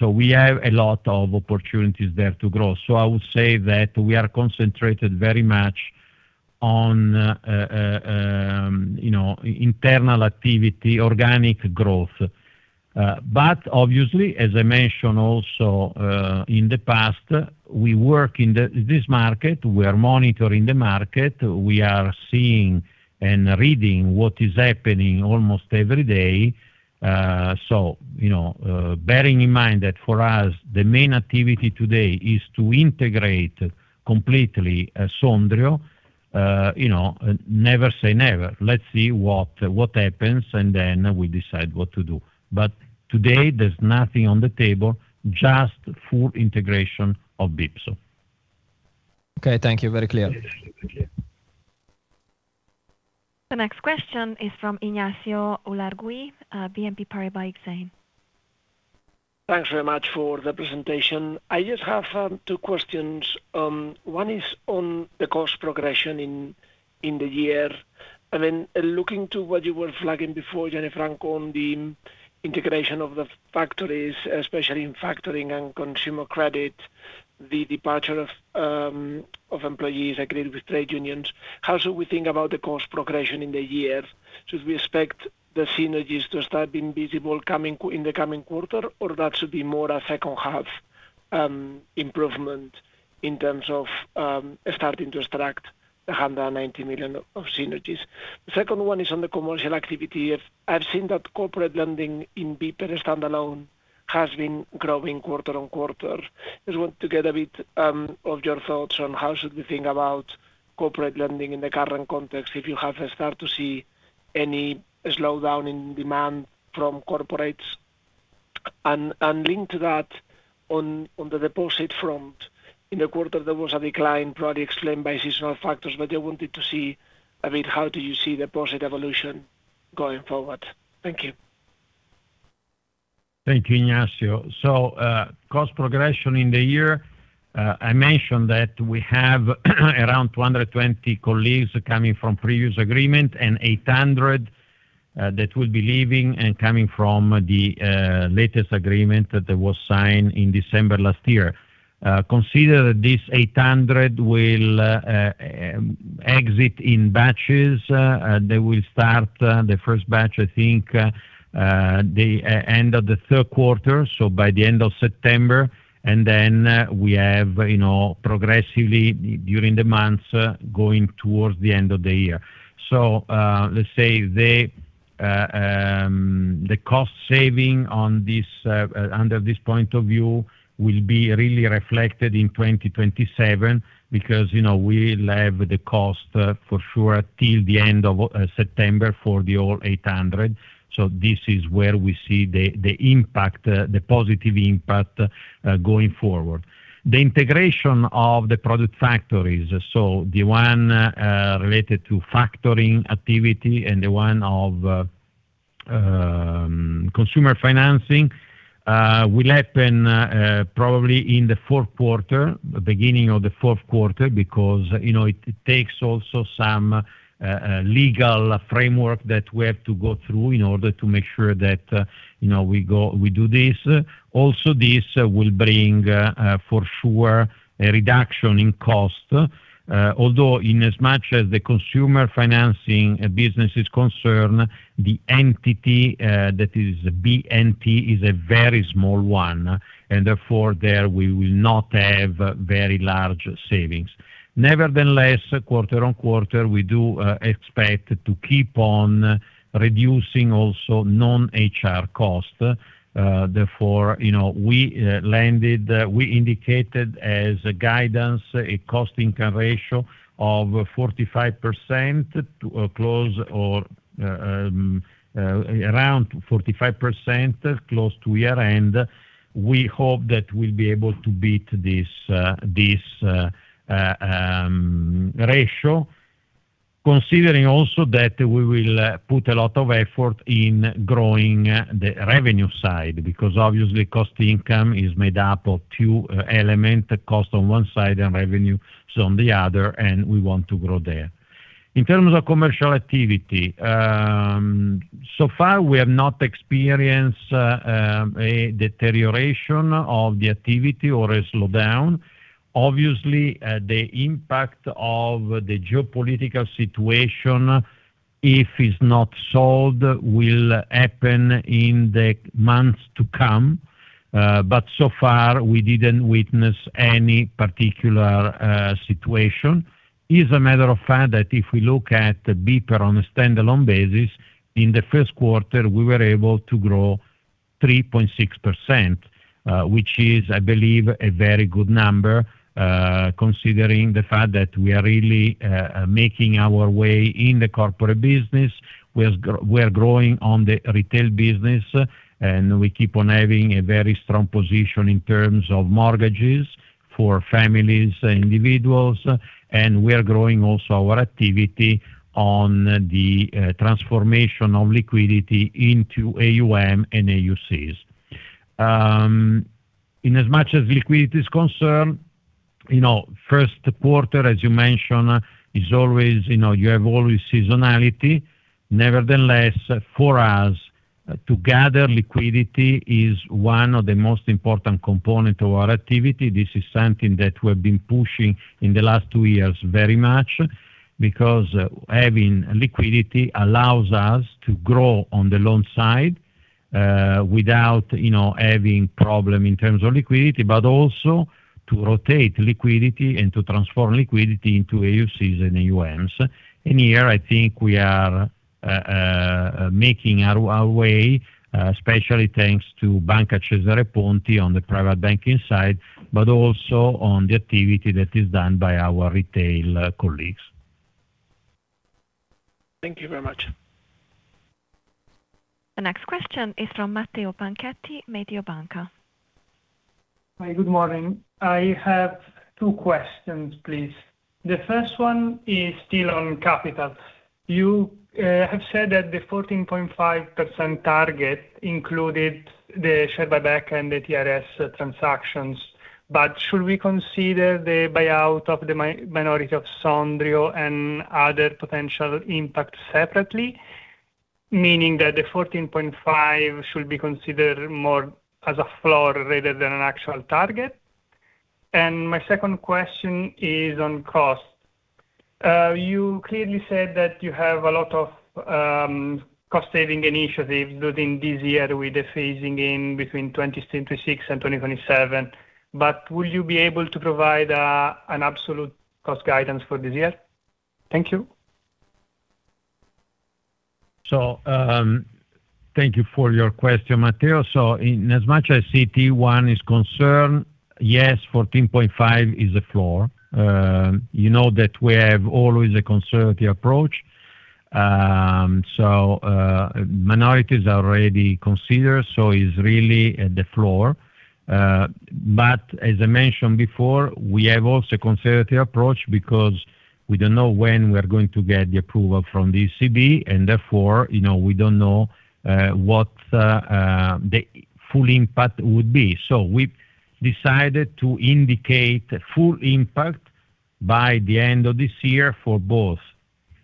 We have a lot of opportunities there to grow. I would say that we are concentrated very much on, you know, internal activity, organic growth. Obviously, as I mentioned also in the past, we work in this market, we are monitoring the market, we are seeing and reading what is happening almost every day. You know, bearing in mind that for us, the main activity today is to integrate completely Sondrio. You know, never say never. Let's see what happens, then we decide what to do. Today there's nothing on the table, just full integration of BPSO. Okay, thank you. Very clear. The next question is from Ignacio Ulargui at BNP Paribas Exane. Thanks very much for the presentation. I just have two questions. One is on the cost progression in the year. I mean, looking to what you were flagging before, Gianni Franco, on the integration of the factories, especially in factoring and consumer credit, the departure of employees agreed with trade unions. How should we think about the cost progression in the year? Should we expect the synergies to start being visible in the coming quarter, or that should be more a second half improvement in terms of starting to extract the 190 million of synergies? The second one is on the commercial activity. I've seen that corporate lending in BPER standalone has been growing quarter-on-quarter. Just want to get a bit of your thoughts on how should we think about corporate lending in the current context, if you have start to see any slowdown in demand from corporates. Linked to that, on the deposit front, in the quarter, there was a decline probably explained by seasonal factors, but I wanted to see, I mean, how do you see deposit evolution going forward? Thank you. Thank you, Ignacio. Cost progression in the year, I mentioned that we have around 220 colleagues coming from previous agreement and 800 that will be leaving and coming from the latest agreement that there was signed in December last year. Consider this 800 will exit in batches, they will start the first batch, I think, the end of the third quarter, so by the end of September. Then we have, you know, progressively during the months going towards the end of the year. Let's say the cost saving on this, under this point of view will be really reflected in 2027 because, you know, we will have the cost for sure till the end of September for the whole 800. This is where we see the positive impact going forward. The integration of the product factories, so the one related to factoring activity and the one of consumer financing, will happen probably in the fourth quarter, the beginning of the fourth quarter, because, you know, it takes also some legal framework that we have to go through in order to make sure that, you know, we do this. This will bring for sure a reduction in cost, although in as much as the consumer financing business is concerned, the entity that is BNT is a very small one, and therefore there we will not have very large savings. Nevertheless, quarter-on-quarter, we do expect to keep on reducing also non-HR costs. Therefore, you know, we indicated as a guidance a cost income ratio of 45% to a close or around 45% close to year-end. We hope that we'll be able to beat this ratio, considering also that we will put a lot of effort in growing the revenue side. Obviously, cost income is made up of two element: cost on one side and revenues on the other, and we want to grow there. In terms of commercial activity, so far we have not experienced a deterioration of the activity or a slowdown. Obviously, the impact of the geopolitical situation, if it's not solved, will happen in the months to come. So far, we didn't witness any particular situation. Is a matter of fact that if we look at BPER on a standalone basis, in the first quarter, we were able to grow 3.6%, which is, I believe, a very good number, considering the fact that we are really making our way in the corporate business. We are growing on the retail business, and we keep on having a very strong position in terms of mortgages for families and individuals, and we are growing also our activity on the transformation of liquidity into AUM and AUCs. In as much as liquidity is concerned, you know, first quarter, as you mentioned, is always, you know, you have always seasonality. Nevertheless, for us, to gather liquidity is one of the most important component of our activity. This is something that we have been pushing in the last two years very much because having liquidity allows us to grow on the loan side without, you know, having problem in terms of liquidity, but also to rotate liquidity and to transform liquidity into AUCs and AUMs. Here, I think we are making our way especially thanks to Banca Cesare Ponti on the private banking side, but also on the activity that is done by our retail colleagues. Thank you very much. The next question is from Matteo Panchetti, Mediobanca. Hi, good morning. I have two questions, please. The first one is still on capital. You have said that the 14.5% target included the share buyback and the TRS transactions. Should we consider the buyout of the minority of Sondrio and other potential impact separately, meaning that the 14.5% should be considered more as a floor rather than an actual target? My second question is on cost. You clearly said that you have a lot of cost saving initiatives during this year with the phasing in between 2026 and 2027. Will you be able to provide an absolute cost guidance for this year? Thank you. Thank you for your question, Matteo. In as much as CET1 is concerned, yes, 14.5% is the floor. You know that we have always a conservative approach. Minorities are already considered, so it's really at the floor. As I mentioned before, we have also a conservative approach because we don't know when we are going to get the approval from the ECB, and therefore, you know, we don't know what the full impact would be. We've decided to indicate full impact by the end of this year for both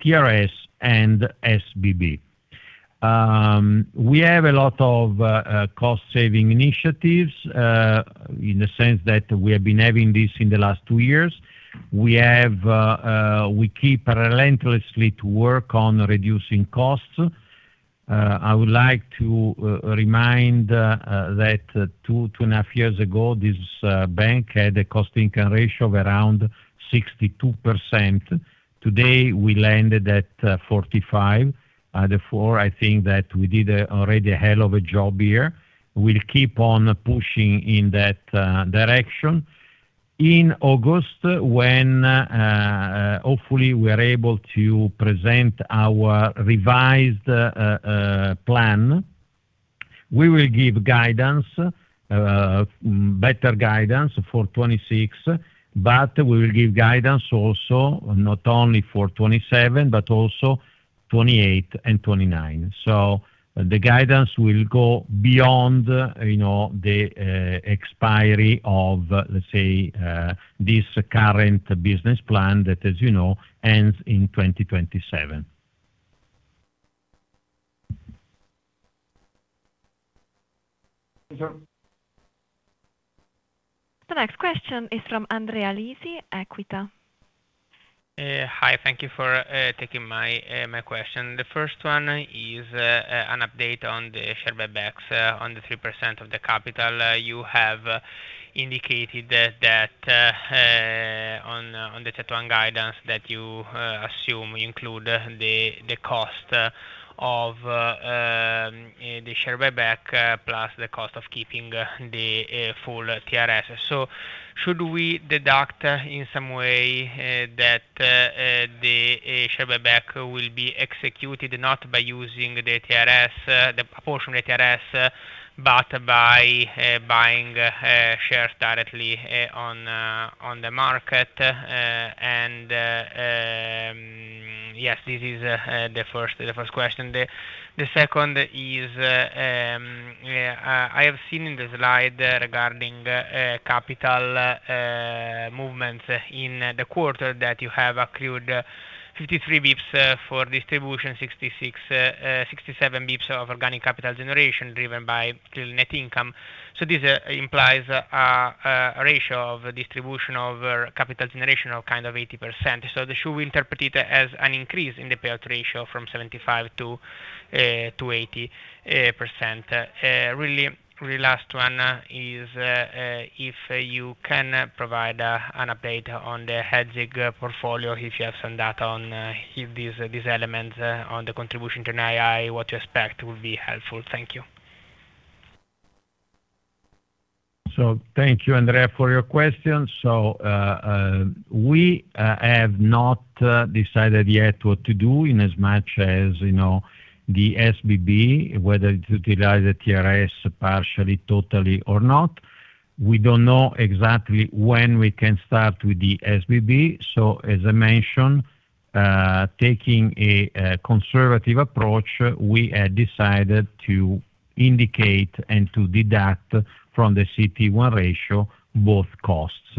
TRS and SBB. We have a lot of cost saving initiatives in the sense that we have been having this in the last two years. We have, we keep relentlessly to work on reducing costs. I would like to remind that 2.5 Years ago, this bank had a cost income ratio of around 62%. Today, we landed at 45%. Therefore, I think that we did already a hell of a job here. We will keep on pushing in that direction. In August, when hopefully, we are able to present our revised plan, we will give guidance, better guidance for 2026. We will give guidance also not only for 2027, but also 2028 and 2029. So the guidance will go beyond, you know, the expiry of, let's say, this current business plan that, as you know, ends in 2027. The next question is from Andrea Lisi, Equita. Hi. Thank you for taking my question. The first one is an update on the share buybacks on the 3% of the capital. You have indicated that on the total guidance that you assume include the cost of the share buyback plus the cost of keeping the full TRS. Should we deduct in some way that the share buyback will be executed not by using the TRS, the proportion TRS, but by buying shares directly on the market? Yes, this is the first question. The second is, I have seen in the slide regarding capital movements in the quarter that you have accrued 53 basis points for distribution, 66 basis points, 67 basis points of organic capital generation driven by net income. This implies a ratio of distribution over capital generation of kind of 80%. Should we interpret it as an increase in the payout ratio from 75%-80%? Really, the last one is, if you can provide an update on the hedging portfolio, if you have some data on if these elements on the contribution to NII, what to expect would be helpful. Thank you. Thank you, Andrea, for your question. We have not decided yet what to do in as much as, you know, the SBB, whether to utilize the TRS partially, totally or not. We don't know exactly when we can start with the SBB. As I mentioned, taking a conservative approach, we decided to indicate and to deduct from the CET1 ratio both costs.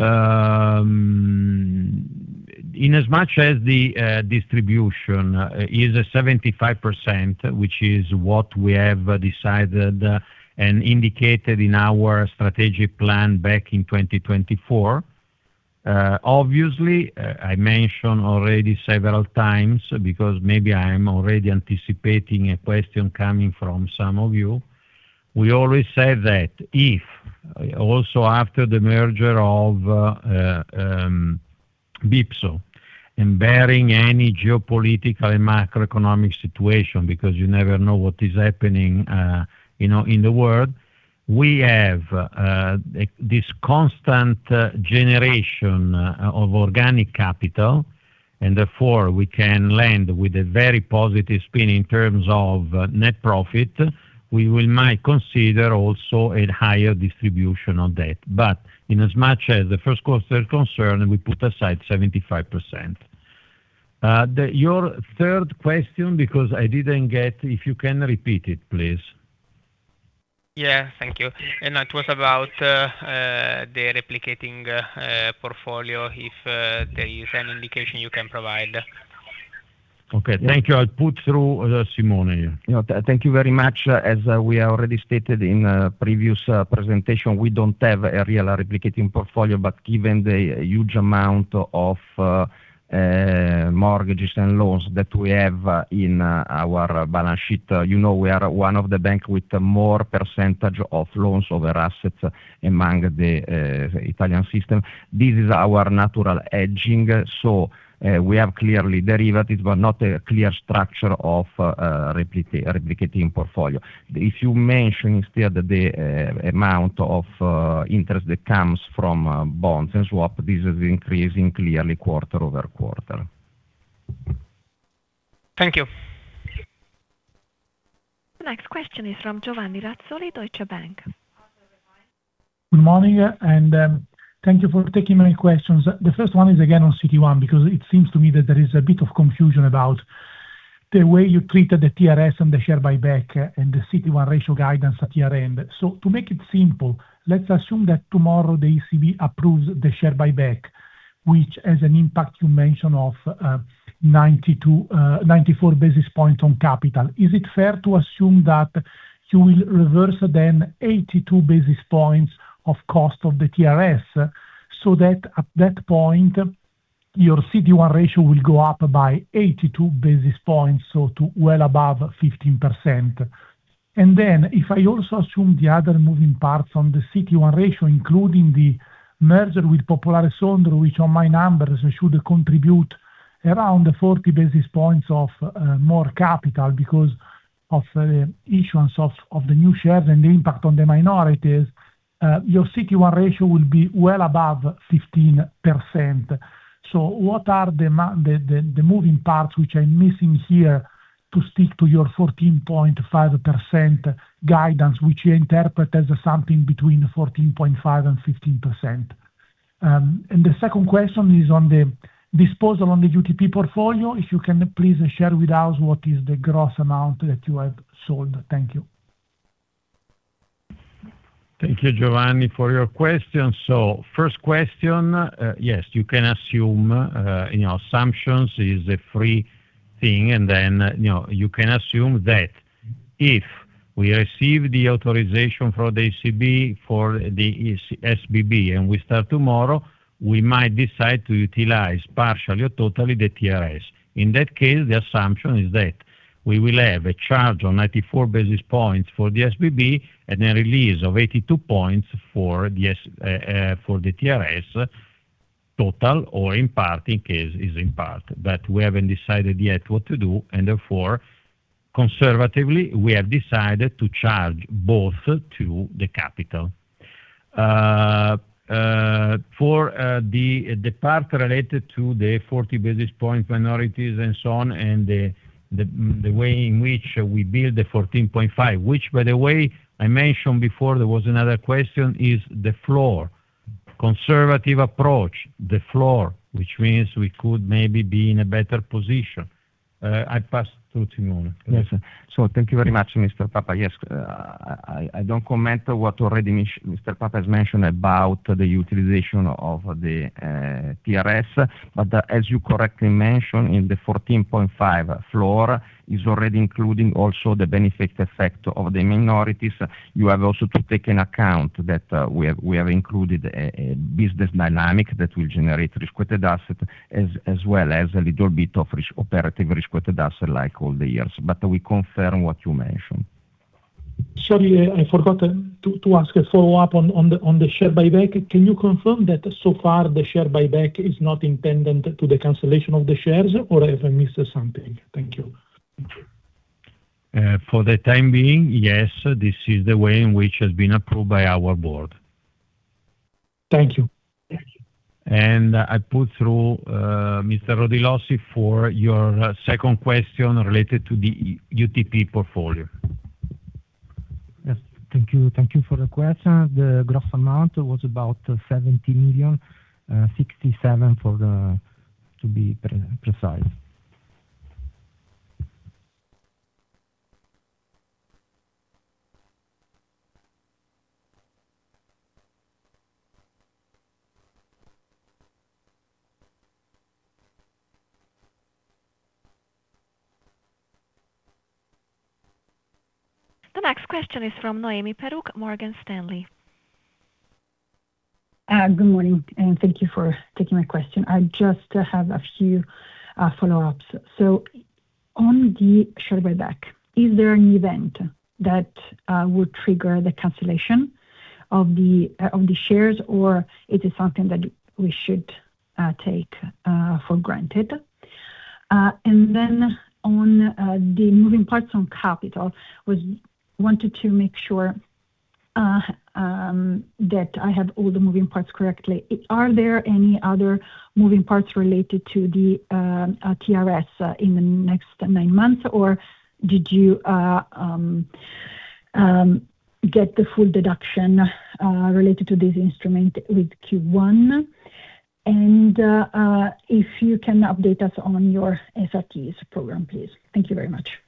In as much as the distribution is 75%, which is what we have decided and indicated in our strategic plan back in 2024. Obviously, I mentioned already several times, because maybe I'm already anticipating a question coming from some of you. We always say that if also after the merger of BPSO, bearing any geopolitical and macroeconomic situation, because you never know what is happening, you know, in the world. We have this constant generation of organic capital, therefore we can land with a very positive spin in terms of net profit. We will might consider also a higher distribution on that. In as much as the first quarter concerned, we put aside 75%. Your third question, because I didn't get, if you can repeat it, please. Yeah. Thank you. It was about the replicating portfolio, if there is any indication you can provide? Okay. Thank you. I'll put through Simone here. You know, thank you very much. As we already stated in a previous presentation, we don't have a real replicating portfolio. Given the huge amount of mortgages and loans that we have in our balance sheet, you know, we are one of the bank with the more percentage of loans over assets among the Italian system. This is our natural hedging. We have clearly derivatives, but not a clear structure of replicating portfolio. If you mention instead the amount of interest that comes from bonds and swap, this is increasing clearly quarter-over-quarter. Thank you. The next question is from Giovanni Razzoli, Deutsche Bank. Good morning. Thank you for taking my questions. The first one is again on CET1, because it seems to me that there is a bit of confusion about the way you treated the TRS on the share buyback and the CET1 ratio guidance at year-end. To make it simple, let's assume that tomorrow the ECB approves the share buyback, which has an impact you mentioned of 90 basis points-94 basis points on capital. Is it fair to assume that you will reverse then 82 basis points of cost of the TRS, so that at that point, your CET1 ratio will go up by 82 basis points, so to well above 15%? If I also assume the other moving parts on the CET1 ratio, including the merger with Popolare Sondrio, which on my numbers should contribute around 40 basis points of more capital because of the issuance of the new shares and the impact on the minorities, your CET1 ratio will be well above 15%. What are the moving parts which are missing here to stick to your 14.5% guidance, which you interpret as something between 14.5% and 15%? The second question is on the disposal on the UTP portfolio. If you can please share with us what is the gross amount that you have sold. Thank you. Thank you, Giovanni, for your question. First question, yes, you can assume, you know, assumptions is a free thing, then, you know, you can assume that if we receive the authorization for the ECB for the SBB and we start tomorrow, we might decide to utilize partially or totally the TRS. In that case, the assumption is that we will have a charge on 94 basis points for the SBB and a release of 82 basis points for the TRS total or in part in case it's in part. We haven't decided yet what to do, and therefore, conservatively, we have decided to charge both to the capital. For the part related to the 40 basis point minorities and so on, and the way in which we build the 14.5%, which by the way, I mentioned before, there was another question, is the floor. Conservative approach, the floor, which means we could maybe be in a better position. I pass to Simone. Thank you very much, Mr. Papa. I don't comment what already Mr. Papa has mentioned about the utilization of the TRS. As you correctly mentioned, in the 14.5% floor is already including also the benefit effect of the minorities. You have also to take in account that we have included a business dynamic that will generate risk-weighted asset as well as a little bit of operative risk-weighted asset like all the years. We confirm what you mentioned. Sorry, I forgot to ask a follow-up on the share buyback. Can you confirm that so far the share buyback is not intended to the cancellation of the shares or have I missed something? Thank you. For the time being, yes, this is the way in which has been approved by our board. Thank you. I put through Mr. Rodilossi for your second question related to the UTP portfolio. Yes. Thank you. Thank you for the question. The gross amount was about 70 million, 67 million to be precise. The next question is from Noemi Peruch, Morgan Stanley. Good morning, and thank you for taking my question. I just have a few follow-ups. On the share buyback, is there an event that would trigger the cancellation of the shares, or it is something that we should take for granted? On the moving parts on capital, was wanted to make sure that I have all the moving parts correctly. Are there any other moving parts related to the TRS in the next nine months? Or did you get the full deduction related to this instrument with Q1? If you can update us on your SRTs program, please. Thank you very much.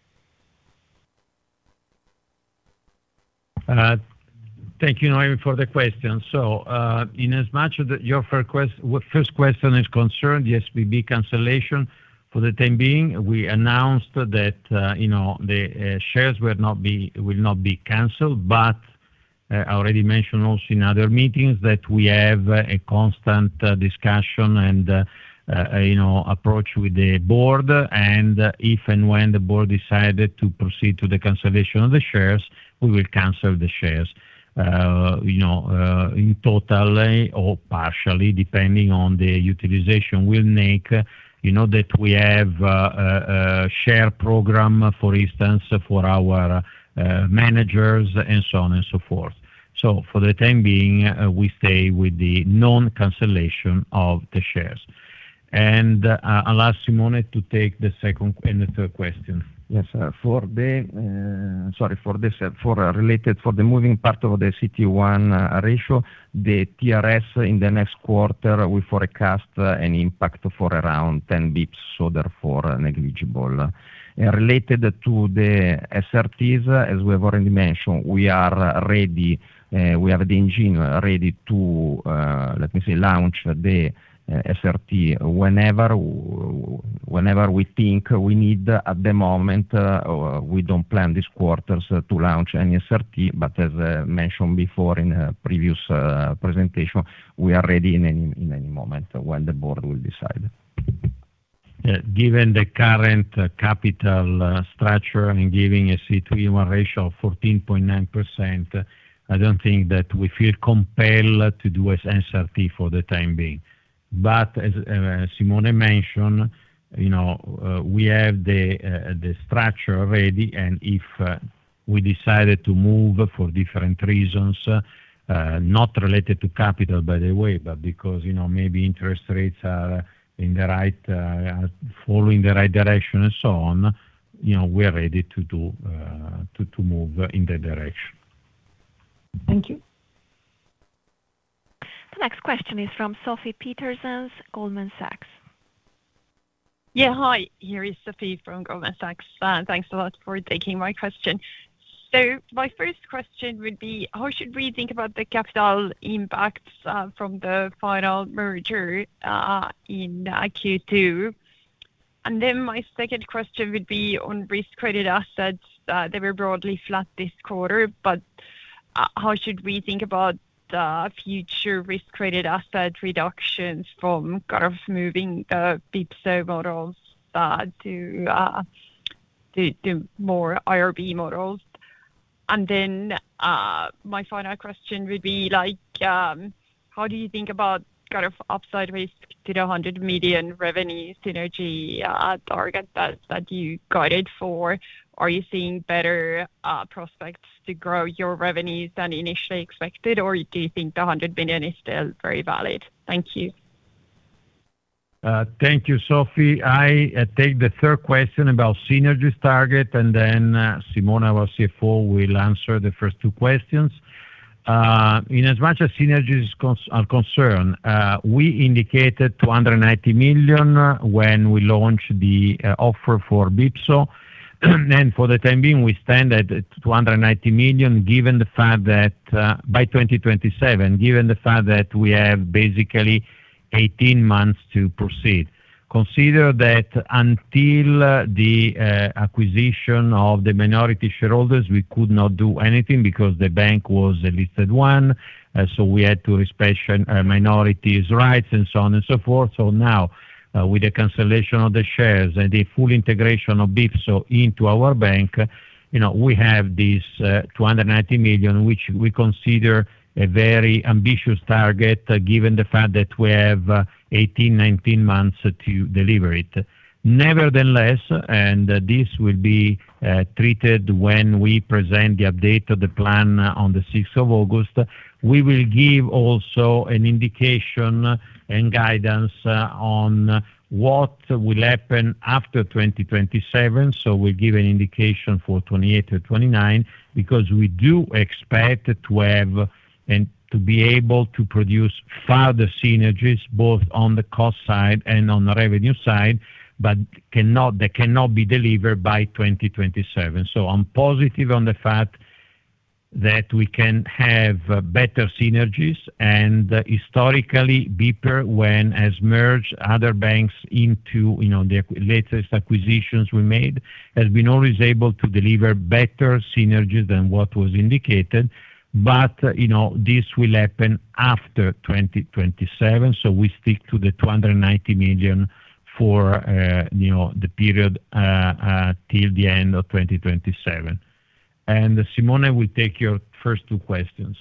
Thank you, Noemi, for the question. In as much as your first question is concerned, the SBB cancellation for the time being, we announced that, you know, the shares will not be canceled. I already mentioned also in other meetings that we have a constant discussion and, you know, approach with the Board. If and when the Board decided to proceed to the cancellation of the shares, we will cancel the shares, you know, in total or partially, depending on the utilization we'll make. You know that we have a share program, for instance, for our managers and so on and so forth. For the time being, we stay with the non-cancellation of the shares. I'll ask Simone to take the second and the third question. Yes. For the related for the moving part of the CET1 ratio, the TRS in the next quarter will forecast an impact for around 10 basis points, so therefore negligible. Related to the SRTs, as we have already mentioned, we are ready. We have the engine ready to, let me say, launch the SRT whenever we think we need at the moment. We don't plan this quarter to launch any SRT, but as mentioned before in a previous presentation, we are ready in any moment when the board will decide. Given the current capital structure and giving a CET1 ratio of 14.9%, I don't think that we feel compelled to do SRT for the time being. As Simone mentioned, you know, we have the structure ready, and if we decided to move for different reasons, not related to capital, by the way, but because, you know, maybe interest rates are in the right, following the right direction and so on, you know, we are ready to do, to move in that direction. Thank you. The next question is from Sofie Peterzéns, Goldman Sachs. Yeah, hi. Here is Sofie from Goldman Sachs. Thanks a lot for taking my question. My first question would be, how should we think about the capital impacts from the final merger in Q2? My second question would be on risk credit assets. They were broadly flat this quarter, but how should we think about the future risk credit asset reductions from kind of moving BPSO models to more IRB models? My final question would be like, how do you think about kind of upside risk to the 100 million revenue synergy target that you guided for? Are you seeing better prospects to grow your revenues than initially expected, or do you think the 100 million is still very valid? Thank you. Thank you, Sofie. I take the third question about synergies target, then Simone, our CFO, will answer the first two questions. In as much as synergies are concerned, we indicated 290 million when we launched the offer for BPSO. For the time being, we stand at 290 million, given the fact that by 2027, given the fact that we have basically 18 months to proceed. Until the acquisition of the minority shareholders, we could not do anything because the bank was a listed one, so we had to respect minorities' rights and so on and so forth. Now, with the cancellation of the shares and the full integration of BPSO into our bank, you know, we have these 290 million, which we consider a very ambitious target given the fact that we have 18, 19 months to deliver it. Nevertheless, and this will be treated when we present the update of the plan on the sixth of August, we will give also an indication and guidance on what will happen after 2027. We give an indication for 2028-2029 because we do expect to have and to be able to produce further synergies both on the cost side and on the revenue side, but that cannot be delivered by 2027. I'm positive on the fact that we can have better synergies. Historically, BPER, when has merged other banks into, you know, the latest acquisitions we made, has been always able to deliver better synergies than what was indicated. You know, this will happen after 2027, so we stick to the 290 million for, you know, the period till the end of 2027. Simone will take your first two questions.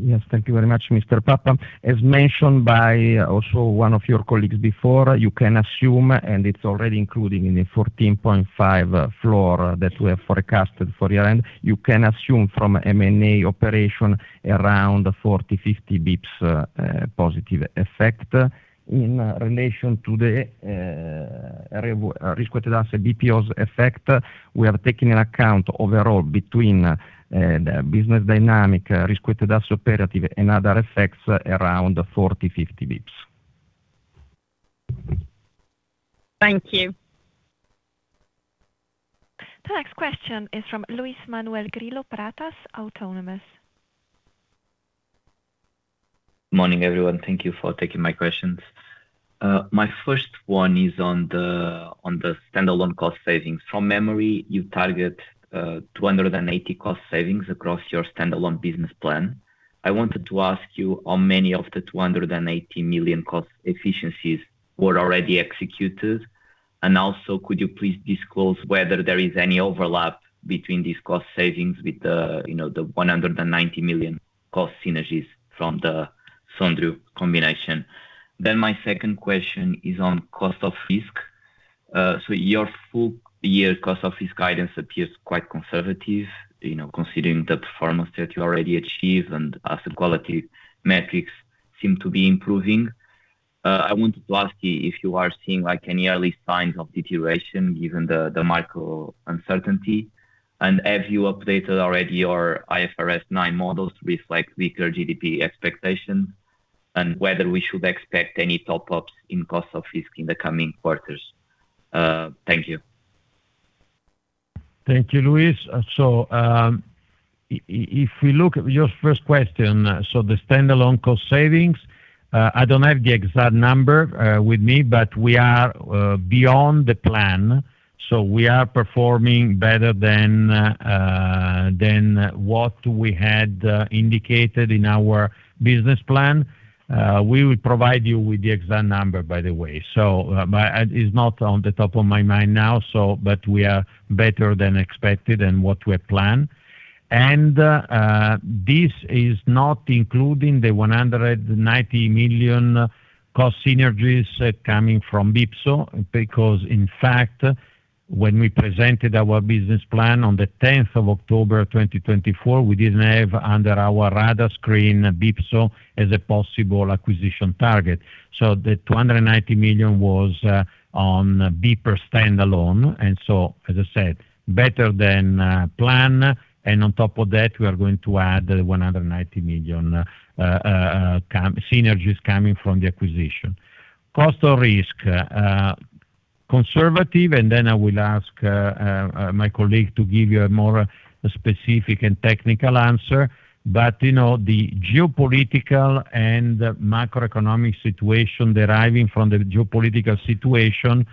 Yes. Thank you very much, Mr. Papa. As mentioned by also one of your colleagues before, you can assume, and it's already including in the 14.5% floor that we have forecasted for year-end, you can assume from M&A operation around 40 basis points, 50 basis points positive effect. In relation to the risk-weighted asset BPSO effect, we are taking in account overall between the business dynamic risk-weighted asset operative and other effects around 40 basis points, 50 basis points. Thank you. The next question is from Luís Manuel Grillo Pratas, Autonomous. Morning, everyone. Thank you for taking my questions. My first one is on the standalone cost savings. From memory, you target 280 million cost savings across your standalone business plan. I wanted to ask you how many of the 280 million cost efficiencies were already executed. Could you please disclose whether there is any overlap between these cost savings with the, you know, the 190 million cost synergies from the Sondrio combination? My second question is on cost of risk. Your full year cost of risk guidance appears quite conservative, you know, considering the performance that you already achieved and asset quality metrics seem to be improving. I wanted to ask you if you are seeing like any early signs of deterioration given the macro uncertainty. Have you updated already your IFRS 9 models with like weaker GDP expectations? Whether we should expect any top-ups in cost of risk in the coming quarters. Thank you. Thank you, Luís. If we look at your first question, the standalone cost savings, I don't have the exact number with me, but we are beyond the plan. We are performing better than what we had indicated in our business plan. We will provide you with the exact number, by the way. It's not on the top of my mind now, but we are better than expected and what we have planned. This is not including the 190 million cost synergies coming from BPSO. When we presented our business plan on the 10th of October 2024, we didn't have under our radar screen BPSO as a possible acquisition target. The 290 million was on BPER standalone. As I said, better than plan. On top of that, we are going to add the 190 million synergies coming from the acquisition. Cost of risk, conservative. I will ask my colleague to give you a more specific and technical answer. You know, the geopolitical and macroeconomic situation deriving from the geopolitical situation,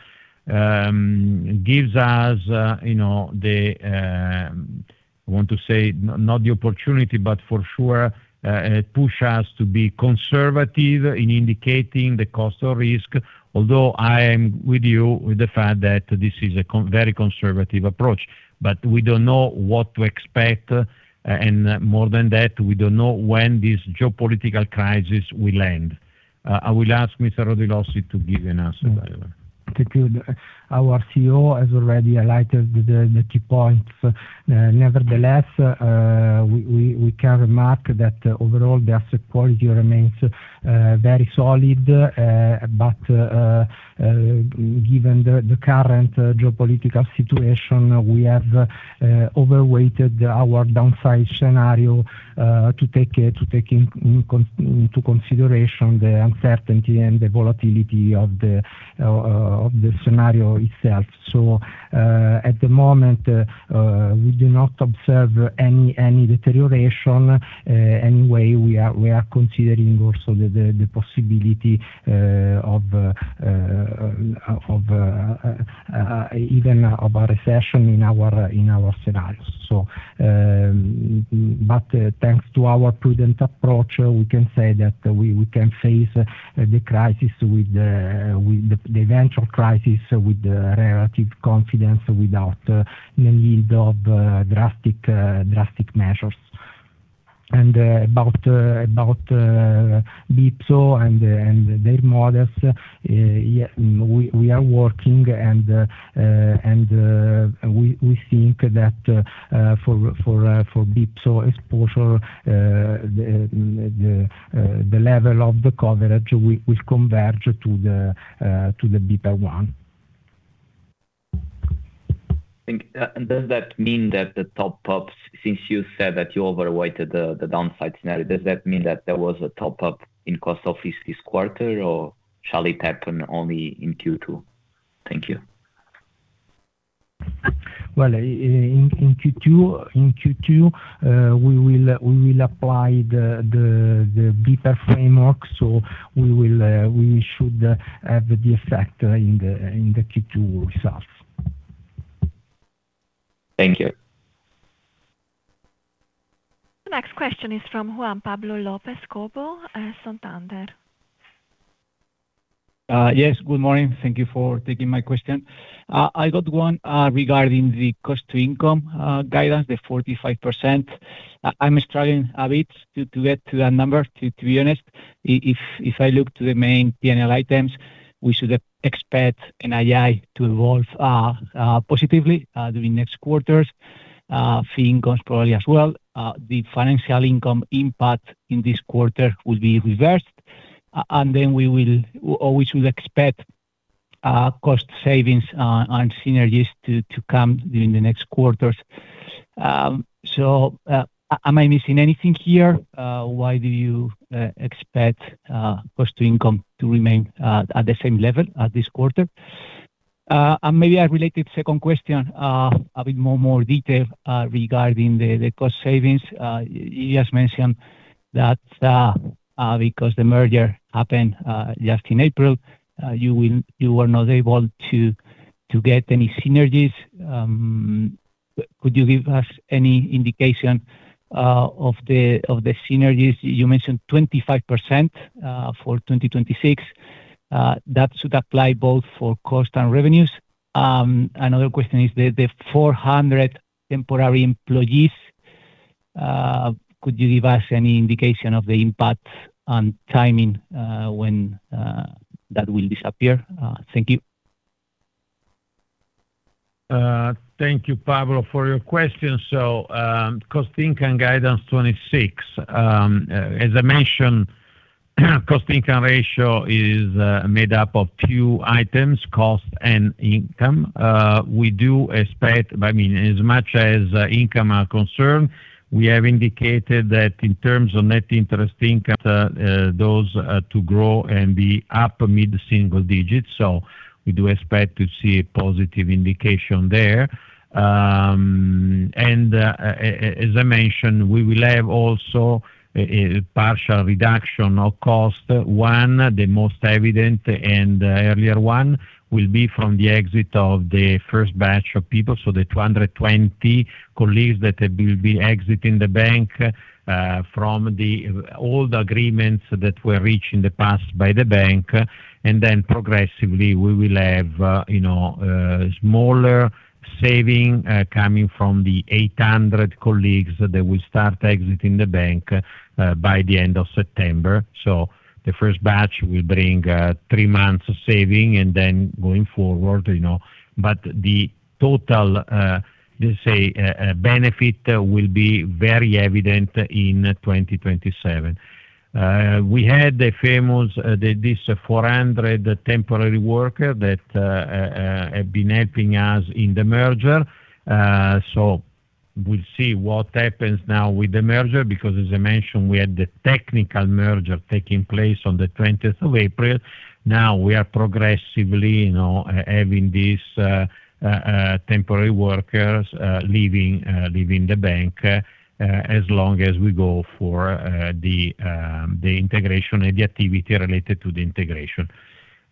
gives us, you know, I want to say not the opportunity, but for sure, it push us to be conservative in indicating the cost of risk. Although I am with you with the fact that this is a very conservative approach. We don't know what to expect, and more than that, we don't know when this geopolitical crisis will end. I will ask Mr. Rodilossi to give an answer, however. Thank you. Our CEO has already highlighted the key points. Nevertheless, we can remark that overall the asset quality remains very solid. Given the current geopolitical situation, we have overweighted our downside scenario to take into consideration the uncertainty and the volatility of the scenario itself. At the moment, we do not observe any deterioration. Anyway, we are considering also the possibility of a recession in our scenarios. Thanks to our prudent approach, we can say that we can face the eventual crisis with relative confidence without the need of drastic measures. About BPSO and their models, yeah, we are working and, we think that, for BPSO exposure, the level of the coverage will converge to the BPER one. Thank you. Does that mean that the top ups, since you said that you overweighted the downside scenario, does that mean that there was a top up in cost of risk this quarter, or shall it happen only in Q2? Thank you. Well, in Q2, we will apply the BPER framework, so we should have the effect in the Q2 results. Thank you. The next question is from Juan Pablo López Cobo, Santander. Yes. Good morning. Thank you for taking my question. I got one regarding the cost to income guidance, the 45%. I'm struggling a bit to get to that number, to be honest. If I look to the main P&L items, we should expect NII to evolve positively during next quarters, fee incomes probably as well. The financial income impact in this quarter will be reversed, and then we will or we should expect cost savings on synergies to come during the next quarters. Am I missing anything here? Why do you expect cost to income to remain at the same level as this quarter? Maybe a related second question, a bit more detail regarding the cost savings. You just mentioned that because the merger happened just in April, you were not able to get any synergies. Could you give us any indication of the synergies? You mentioned 25% for 2026. That should apply both for cost and revenues. Another question is the 400 temporary employees, could you give us any indication of the impact on timing when that will disappear? Thank you. Thank you, Pablo, for your question. Cost income guidance 2026. As I mentioned, cost income ratio is made up of two items, cost and income. We do expect, I mean, as much as income are concerned, we have indicated that in terms of net interest income, those are to grow and be up mid-single digits. We do expect to see a positive indication there. As I mentioned, we will have also a partial reduction of cost. One, the most evident and earlier one will be from the exit of the first batch of people. The 220 colleagues that will be exiting the bank from the old agreements that were reached in the past by the bank. Then progressively, we will have, you know, smaller saving, coming from the 800 colleagues that will start exiting the bank by the end of September. The first batch will bring three months of saving and then going forward, you know. The total, let's say, benefit will be very evident in 2027. We had the famous, this 400 temporary worker that have been helping us in the merger. We'll see what happens now with the merger, because as I mentioned, we had the technical merger taking place on the 20th of April. We are progressively, you know, having these temporary workers leaving the bank as long as we go for the integration and the activity related to the integration.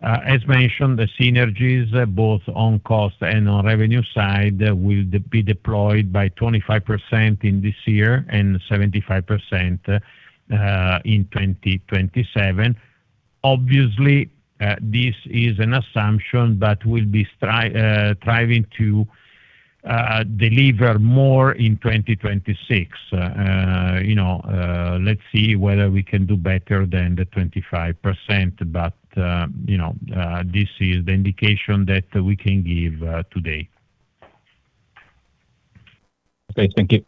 As mentioned, the synergies both on cost and on revenue side will be deployed by 25% in this year and 75% in 2027. Obviously, this is an assumption that we'll be striving to deliver more in 2026. You know, let's see whether we can do better than the 25%, but, you know, this is the indication that we can give today. Okay, thank you.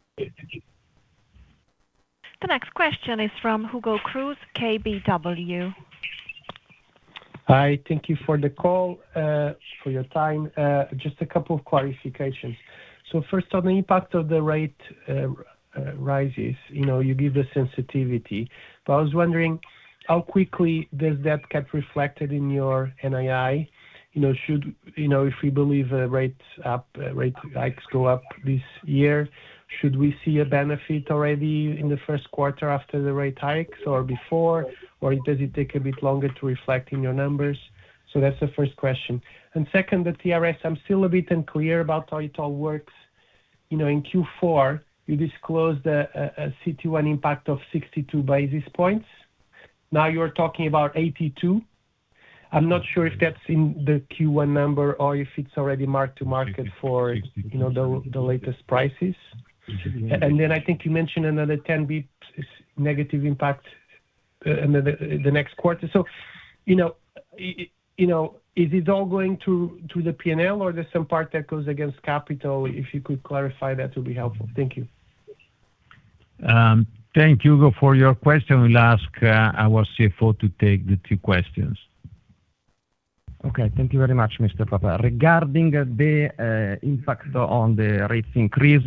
The next question is from Hugo Cruz, KBW. Hi, thank you for the call, for your time. Just a couple of clarifications. First on the impact of the rate rises, you know, you give the sensitivity. I was wondering how quickly does that get reflected in your NII? You know, should you know, if we believe rates up, rate hikes go up this year, should we see a benefit already in the first quarter after the rate hikes or before? Or does it take a bit longer to reflect in your numbers? That's the first question. Second, the TRS, I'm still a bit unclear about how it all works. You know, in Q4, you disclosed a CET1 impact of 62 basis points. Now you're talking about 82 basis points. I'm not sure if that's in the Q1 number or if it's already marked to market for, you know, the latest prices. I think you mentioned another 10 basis points negative impact in the next quarter. You know, is it all going to the P&L or there's some part that goes against capital? If you could clarify, that would be helpful. Thank you. Thank you, Hugo, for your question. We'll ask our CFO to take the two questions. Okay, thank you very much, Mr. Papa. Regarding the impact on the rates increase,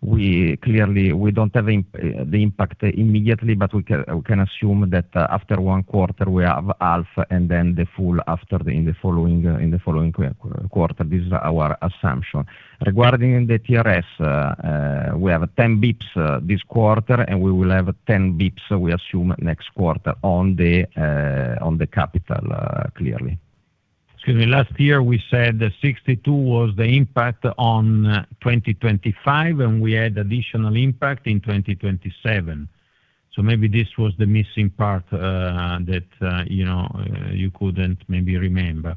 we clearly we don't have the impact immediately, but we can assume that after one quarter we have half and then the full after the, in the following, in the following quarter. This is our assumption. Regarding the TRS, we have 10 basis points this quarter, and we will have 10 basis points, we assume, next quarter on the capital, clearly. Excuse me, last year we said that 62 basis points was the impact on 2025, and we had additional impact in 2027. Maybe this was the missing part that, you know, you couldn't maybe remember.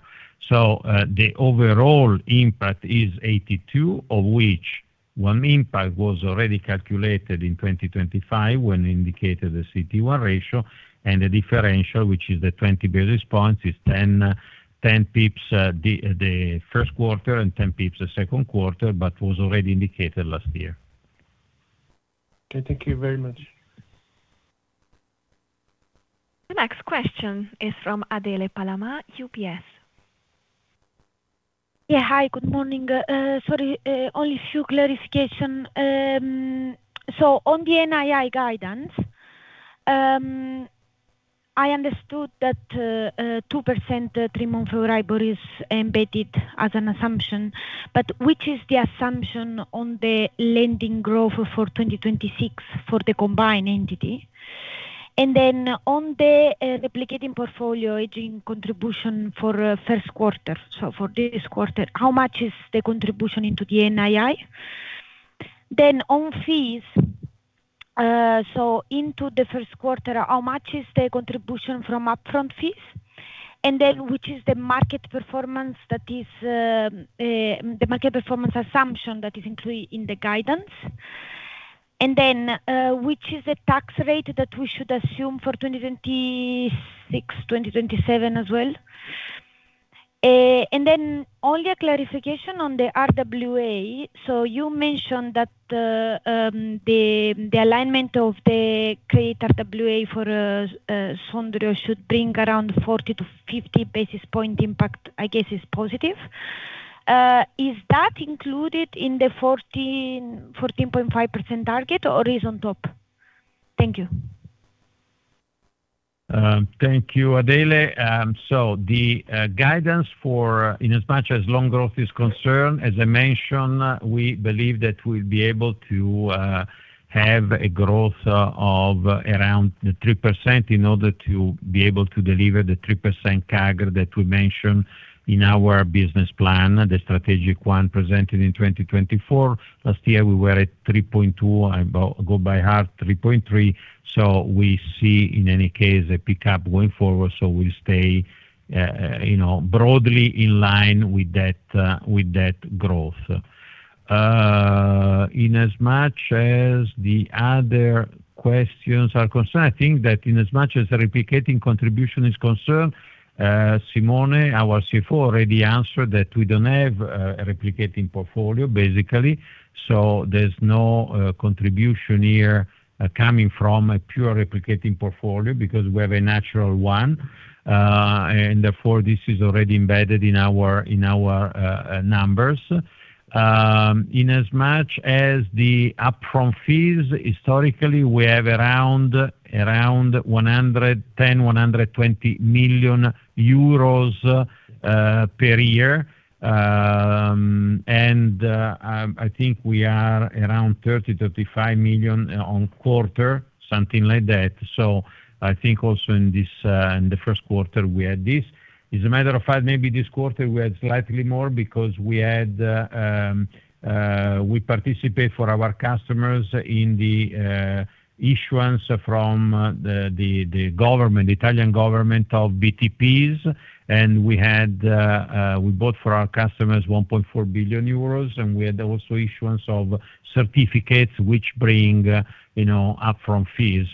The overall impact is 82 basis points, of which one impact was already calculated in 2025 when indicated the CET1 ratio, and the differential, which is the 20 basis points, is 10 basis points the first quarter and 10 basis points the second quarter, but was already indicated last year. Okay, thank you very much. The next question is from Adele Palamà, UBS. Yeah, hi, good morning. Sorry, only a few clarification. On the NII guidance, I understood that a 2% three-month Euribor is embedded as an assumption. Which is the assumption on the lending growth for 2026 for the combined entity? On the replicating portfolio hedging contribution for first quarter, so for this quarter, how much is the contribution into the NII? On fees, so into the first quarter, how much is the contribution from upfront fees? Which is the market performance that is the market performance assumption that is included in the guidance? Which is the tax rate that we should assume for 2026, 2027 as well? Only a clarification on the RWA. You mentioned that the alignment of the credit RWA for Sondrio should bring around 40 basis points to 50 basis point impact, I guess is positive. Is that included in the 14.5% target or is on top? Thank you. Thank you, Adele. The guidance for in as much as loan growth is concerned, as I mentioned, we believe that we'll be able to have a growth of around 3% in order to be able to deliver the 3% CAGR that we mentioned in our business plan, the strategic one presented in 2024. Last year we were at 3.2%, I go by half, 3.3%. We see, in any case, a pickup going forward, we stay broadly in line with that growth. In as much as the other questions are concerned, I think that in as much as the replicating contribution is concerned, Simone, our CFO, already answered that we don't have a replicating portfolio, basically. There's no contribution here, coming from a pure replicating portfolio because we have a natural one. Therefore, this is already embedded in our, in our numbers. In as much as the upfront fees, historically, we have around 110 million-120 million euros per year. I think we are around 30 million-35 million on quarter, something like that. I think also in this, in the first quarter we had this. As a matter of fact, maybe this quarter we had slightly more because we had, we participate for our customers in the issuance from the Italian government of BTPs. We bought for our customers 1.4 billion euros, and we had also issuance of certificates, which bring, you know, upfront fees.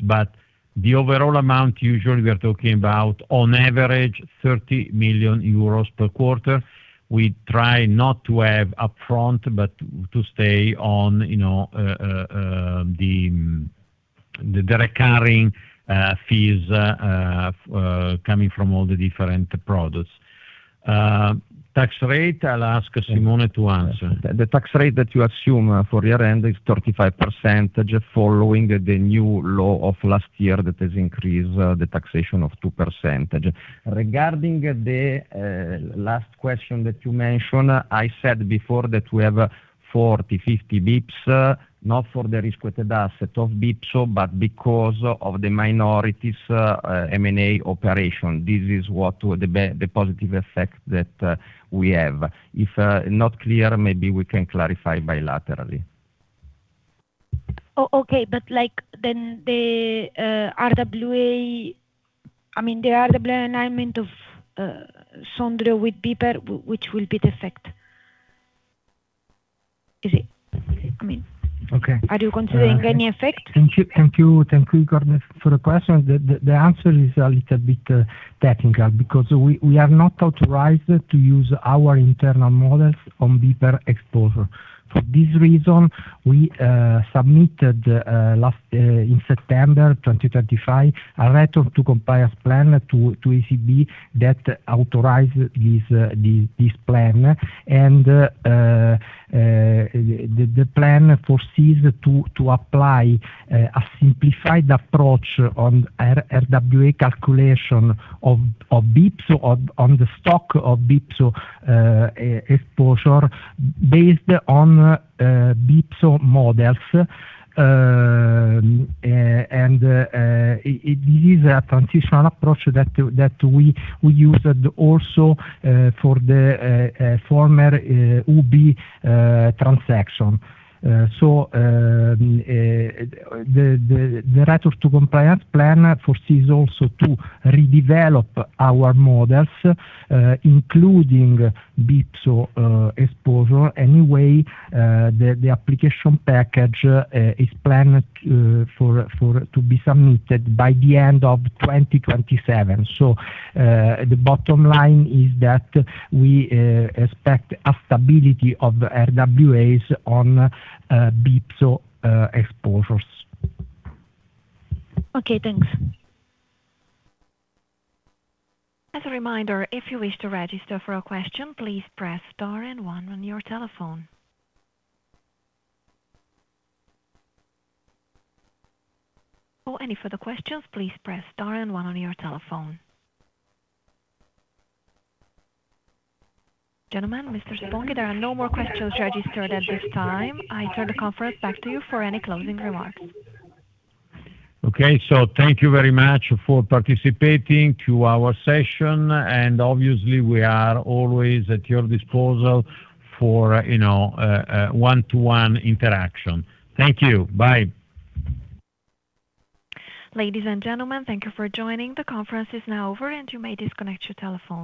The overall amount usually we are talking about on average 30 million euros per quarter. We try not to have upfront, but to stay on, you know, the recurring fees coming from all the different products. Tax rate, I'll ask Simone to answer. The tax rate that you assume for year-end is 35%, following the new law of last year that has increased the taxation of 2%. Regarding the last question that you mentioned, I said before that we have 40 basis points, 50 basis points, not for the risk-weighted asset of BPSO, but because of the minorities, M&A operation. This is the positive effect that we have. If not clear, maybe we can clarify bilaterally. Okay. Like, then the RWA I mean, the RWA alignment of Sondrio with BPER, which will be the effect? Is it, I mean? Okay. Are you considering any effect? Thank you. Thank you. Thank you for the question. The answer is a little bit technical because we are not authorized to use our internal models on BPER exposure. For this reason, we submitted last in September 2025 a return to compliance plan to ECB that authorized this plan. The plan foresees to apply a simplified approach on RWA calculation of BPSO, on the stock of BPSO exposure based on BPSO models. It is a transitional approach that we used also for the former UBI transaction. The return to compliance plan foresees also to redevelop our models, including BPSO exposure. Anyway, the application package is planned for to be submitted by the end of 2027. The bottom line is that we expect a stability of RWAs on BPSO exposures. Okay. Thanks. As a reminder, if you wish to register for a question, please press star one on your telephone. For any further questions, please press star one on your telephone. Gentlemen, Mr. Sponghi, there are no more questions registered at this time. I turn the conference back to you for any closing remarks. Okay. Thank you very much for participating to our session, and obviously, we are always at your disposal for, you know, one-to-one interaction. Thank you. Bye. Ladies and gentlemen, thank you for joining. The conference is now over, and you may disconnect your telephones.